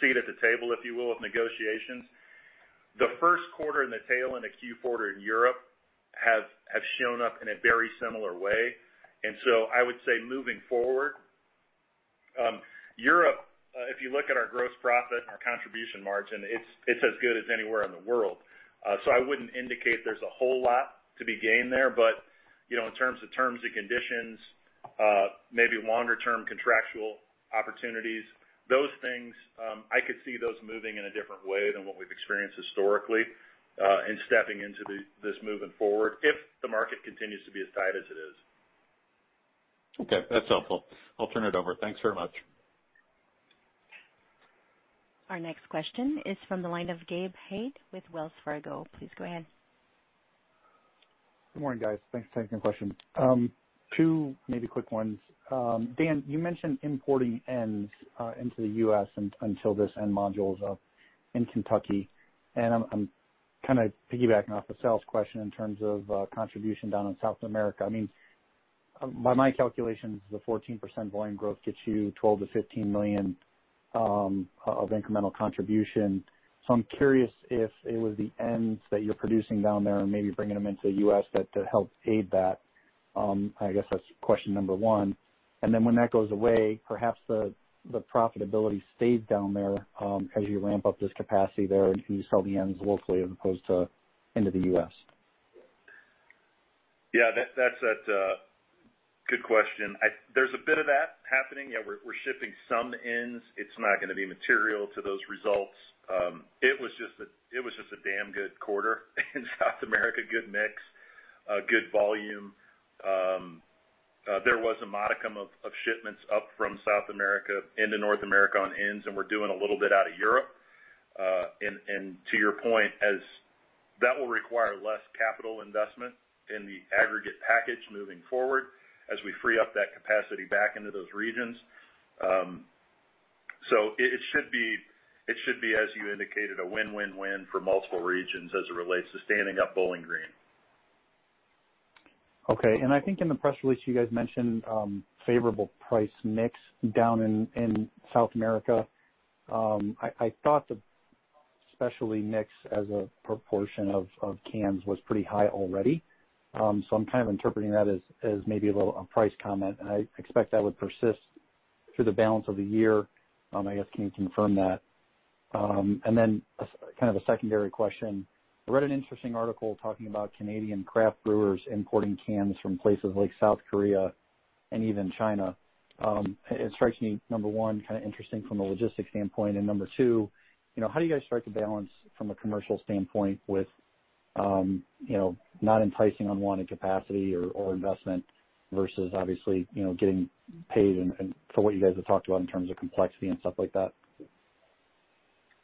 Speaker 3: seat at the table, if you will, of negotiations. The first quarter in the tail end of Q4 in Europe have shown up in a very similar way. I would say moving forward, Europe, if you look at our gross profit and our contribution margin, it's as good as anywhere in the world. I wouldn't indicate there's a whole lot to be gained there. In terms of terms and conditions, maybe longer-term contractual opportunities, those things, I could see those moving in a different way than what we've experienced historically, in stepping into this moving forward, if the market continues to be as tight as it is.
Speaker 14: Okay. That's helpful. I'll turn it over. Thanks very much.
Speaker 1: Our next question is from the line of Gabe Hajde with Wells Fargo. Please go ahead.
Speaker 15: Good morning, guys. Thanks for taking the question. Two maybe quick ones. Dan, you mentioned importing ends into the U.S. until this end module's up in Kentucky. I'm kind of piggybacking off the sales question in terms of contribution down in South America. By my calculations, the 14% volume growth gets you $12 million to $15 million of incremental contribution. I'm curious if it was the ends that you're producing down there and maybe bringing them into the U.S. that helped aid that. I guess that's question number one. Then when that goes away, perhaps the profitability stays down there as you ramp up this capacity there and you sell the ends locally as opposed to into the U.S.
Speaker 3: Yeah. Good question. There's a bit of that happening. Yeah, we're shipping some ends. It's not going to be material to those results. It was just a damn good quarter in South America. Good mix, good volume. There was a modicum of shipments up from South America into North America on ends, and we're doing a little bit out of Europe. To your point, that will require less capital investment in the aggregate package moving forward as we free up that capacity back into those regions. It should be, as you indicated, a win-win-win for multiple regions as it relates to standing up Bowling Green.
Speaker 15: Okay. I think in the press release you guys mentioned favorable price mix down in South America. I thought that especially mix as a proportion of cans was pretty high already. I'm kind of interpreting that as maybe a little a price comment, and I expect that would persist through the balance of the year. I guess, can you confirm that? Then kind of a secondary question. I read an interesting article talking about Canadian craft brewers importing cans from places like South Korea and even China. It strikes me, number one, kind of interesting from a logistics standpoint, and number two, how do you guys strike a balance from a commercial standpoint with not enticing unwanted capacity or investment versus obviously getting paid for what you guys have talked about in terms of complexity and stuff like that?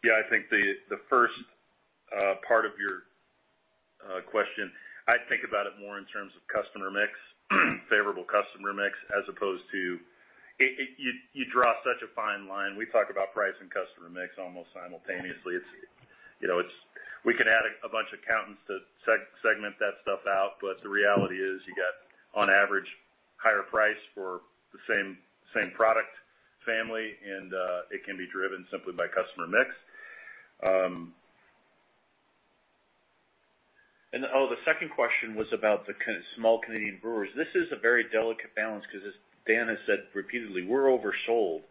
Speaker 3: Yeah, I think the first part of your question, I'd think about it more in terms of customer mix, favorable customer mix, as opposed to you draw such a fine line. We talk about price and customer mix almost simultaneously. We can add a bunch of accountants to segment that stuff out. The reality is you get on average higher price for the same product family, and it can be driven simply by customer mix.
Speaker 2: The second question was about the small Canadian brewers. This is a very delicate balance because as Dan has said repeatedly, we're oversold,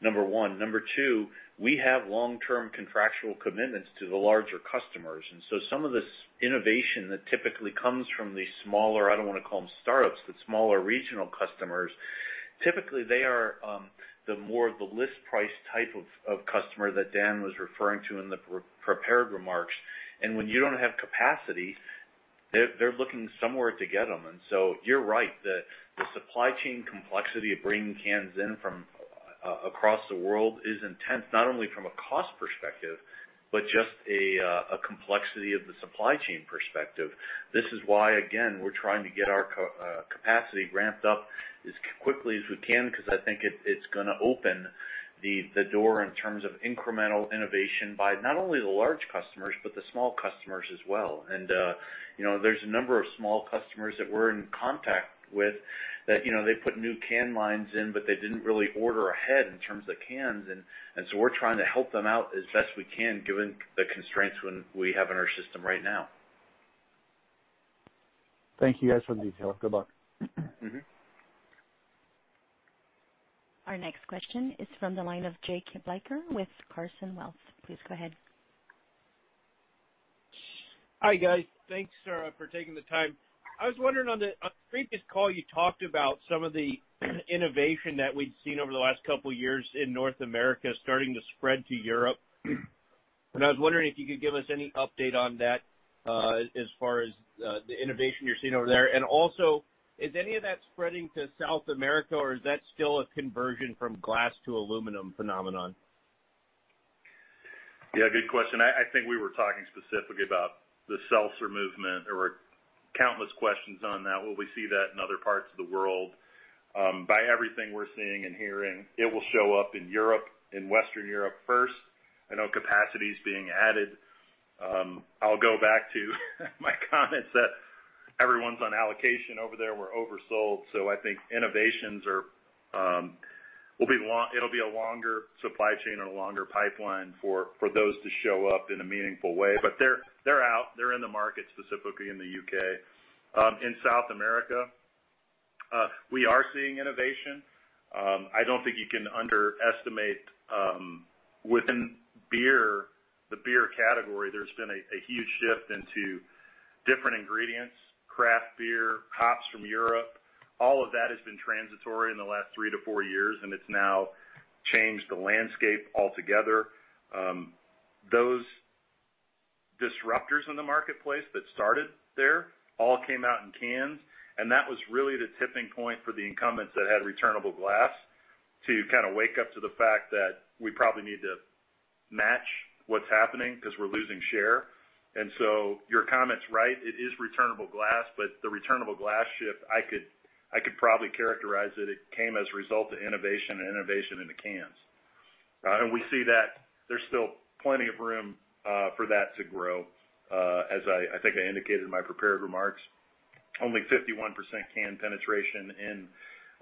Speaker 2: number one. Number two, we have long-term contractual commitments to the larger customers. Some of this innovation that typically comes from the smaller, I don't want to call them startups, but smaller regional customers. Typically, they are the more of the list price type of customer that Dan was referring to in the prepared remarks. When you don't have capacity, they're looking somewhere to get them. You're right that the supply chain complexity of bringing cans in from across the world is intense, not only from a cost perspective, but just a complexity of the supply chain perspective. This is why, again, we're trying to get our capacity ramped up as quickly as we can because I think it's going to open the door in terms of incremental innovation by not only the large customers but the small customers as well. There's a number of small customers that we're in contact with that they put new can lines in, but they didn't really order ahead in terms of cans. We're trying to help them out as best we can given the constraints we have in our system right now.
Speaker 15: Thank you guys for the detail. Good luck.
Speaker 1: Our next question is from the line of Jake Bleicher with Carson Wealth. Please go ahead.
Speaker 16: Hi, guys. Thanks for taking the time. I was wondering on the previous call, you talked about some of the innovation that we'd seen over the last couple of years in North America starting to spread to Europe. I was wondering if you could give us any update on that as far as the innovation you're seeing over there. Also, is any of that spreading to South America, or is that still a conversion from glass to aluminum phenomenon?
Speaker 3: Yeah, good question. I think we were talking specifically about the seltzer movement. There were countless questions on that. Will we see that in other parts of the world? By everything we're seeing and hearing, it will show up in Western Europe first. I know capacity is being added. I'll go back to my comments that everyone's on allocation over there. We're oversold. I think innovations, it'll be a longer supply chain or a longer pipeline for those to show up in a meaningful way. They're out, they're in the market, specifically in the U.K. In South America, we are seeing innovation. I don't think you can underestimate within the beer category, there's been a huge shift into different ingredients, craft beer, hops from Europe. All of that has been transitory in the last three to four years, and it's now changed the landscape altogether. Those disruptors in the marketplace that started there all came out in cans. That was really the tipping point for the incumbents that had returnable glass to kind of wake up to the fact that we probably need to match what's happening because we're losing share. Your comment's right, it is returnable glass, but the returnable glass shift, I could probably characterize it came as a result of innovation and innovation into cans. We see that there's still plenty of room for that to grow. As I think I indicated in my prepared remarks, only 51% can penetration in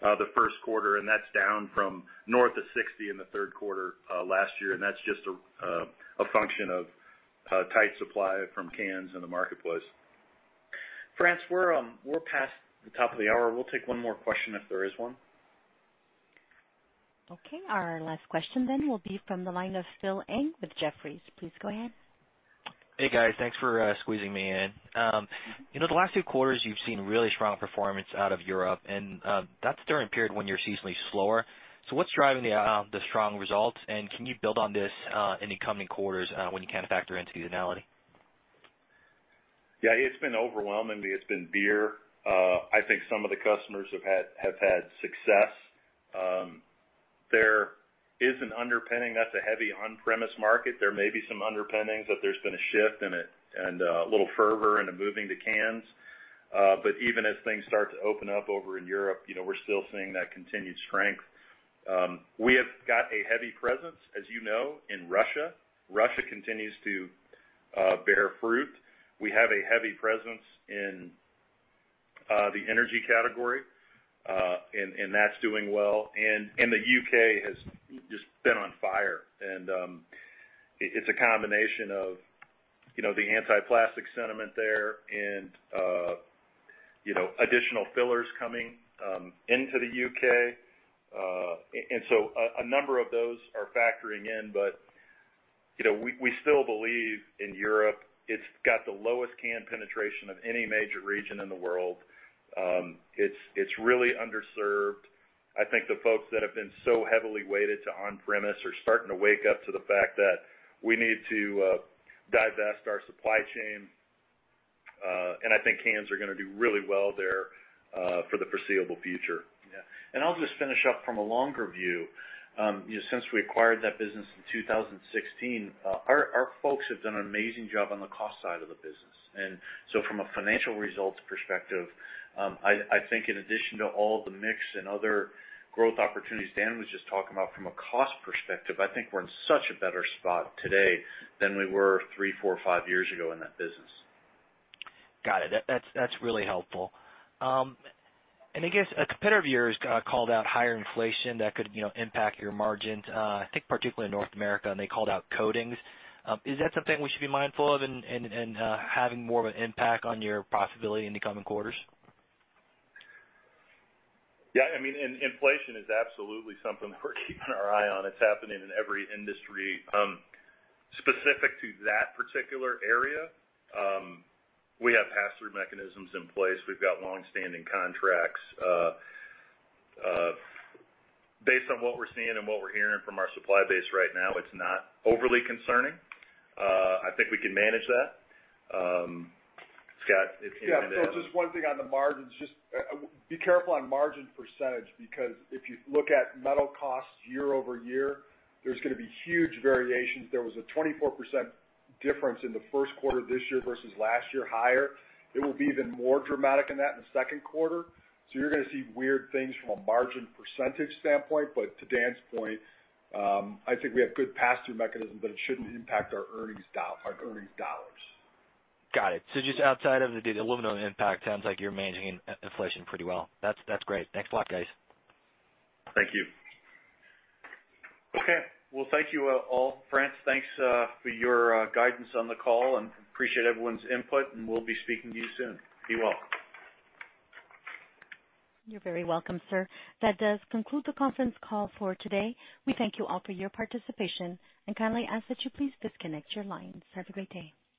Speaker 3: the first quarter, and that's down from north of 60 in the third quarter last year. That's just a function of tight supply from cans in the marketplace.
Speaker 4: France, we're past the top of the hour. We'll take one more question if there is one.
Speaker 1: Okay, our last question then will be from the line of Philip Ng with Jefferies. Please go ahead.
Speaker 17: Hey, guys. Thanks for squeezing me in. The last two quarters, you've seen really strong performance out of Europe. That's during a period when you're seasonally slower. What's driving the strong results? Can you build on this in the coming quarters when you kind of factor in seasonality?
Speaker 3: Yeah. It's been overwhelmingly, it's been beer. I think some of the customers have had success. There is an underpinning that's a heavy on-premise market. There may be some underpinnings that there's been a shift and a little fervor into moving to cans. Even as things start to open up over in Europe, we're still seeing that continued strength. We have got a heavy presence, as you know, in Russia. Russia continues to bear fruit. We have a heavy presence in the energy category, and that's doing well. The U.K. has just been on fire, and it's a combination of the anti-plastic sentiment there and additional fillers coming into the U.K. A number of those are factoring in, but we still believe in Europe. It's got the lowest can penetration of any major region in the world. It's really underserved. I think the folks that have been so heavily weighted to on-premise are starting to wake up to the fact that we need to divest our supply chain, and I think cans are going to do really well there for the foreseeable future.
Speaker 4: Yeah. I'll just finish up from a longer view. Since we acquired that business in 2016, our folks have done an amazing job on the cost side of the business. From a financial results perspective, I think in addition to all the mix and other growth opportunities Dan was just talking about from a cost perspective, I think we're in such a better spot today than we were three, four, five years ago in that business.
Speaker 17: Got it. That's really helpful. I guess a competitor of yours called out higher inflation that could impact your margins, I think particularly in North America, and they called out coatings. Is that something we should be mindful of and having more of an impact on your profitability in the coming quarters?
Speaker 3: Yeah. Inflation is absolutely something that we're keeping our eye on. It's happening in every industry. Specific to that particular area, we have pass-through mechanisms in place. We've got longstanding contracts. Based on what we're seeing and what we're hearing from our supply base right now, it's not overly concerning. I think we can manage that. Scott, if you want to.
Speaker 4: Yeah, Phil, just one thing on the margins. Be careful on margin percentage, because if you look at metal costs year-over-year, there's going to be huge variations. There was a 24% difference in the first quarter this year versus last year, higher. It will be even more dramatic than that in the second quarter. You're going to see weird things from a margin percentage standpoint. To Dan's point, I think we have good pass-through mechanisms that it shouldn't impact our earnings dollars.
Speaker 17: Got it. Just outside of the aluminum impact, sounds like you're managing inflation pretty well. That's great. Thanks a lot, guys.
Speaker 3: Thank you.
Speaker 2: Okay. Well, thank you all. France, thanks for your guidance on the call, and appreciate everyone's input, and we'll be speaking to you soon. Be well.
Speaker 1: You're very welcome, sir. That does conclude the conference call for today. We thank you all for your participation and kindly ask that you please disconnect your lines. Have a great day.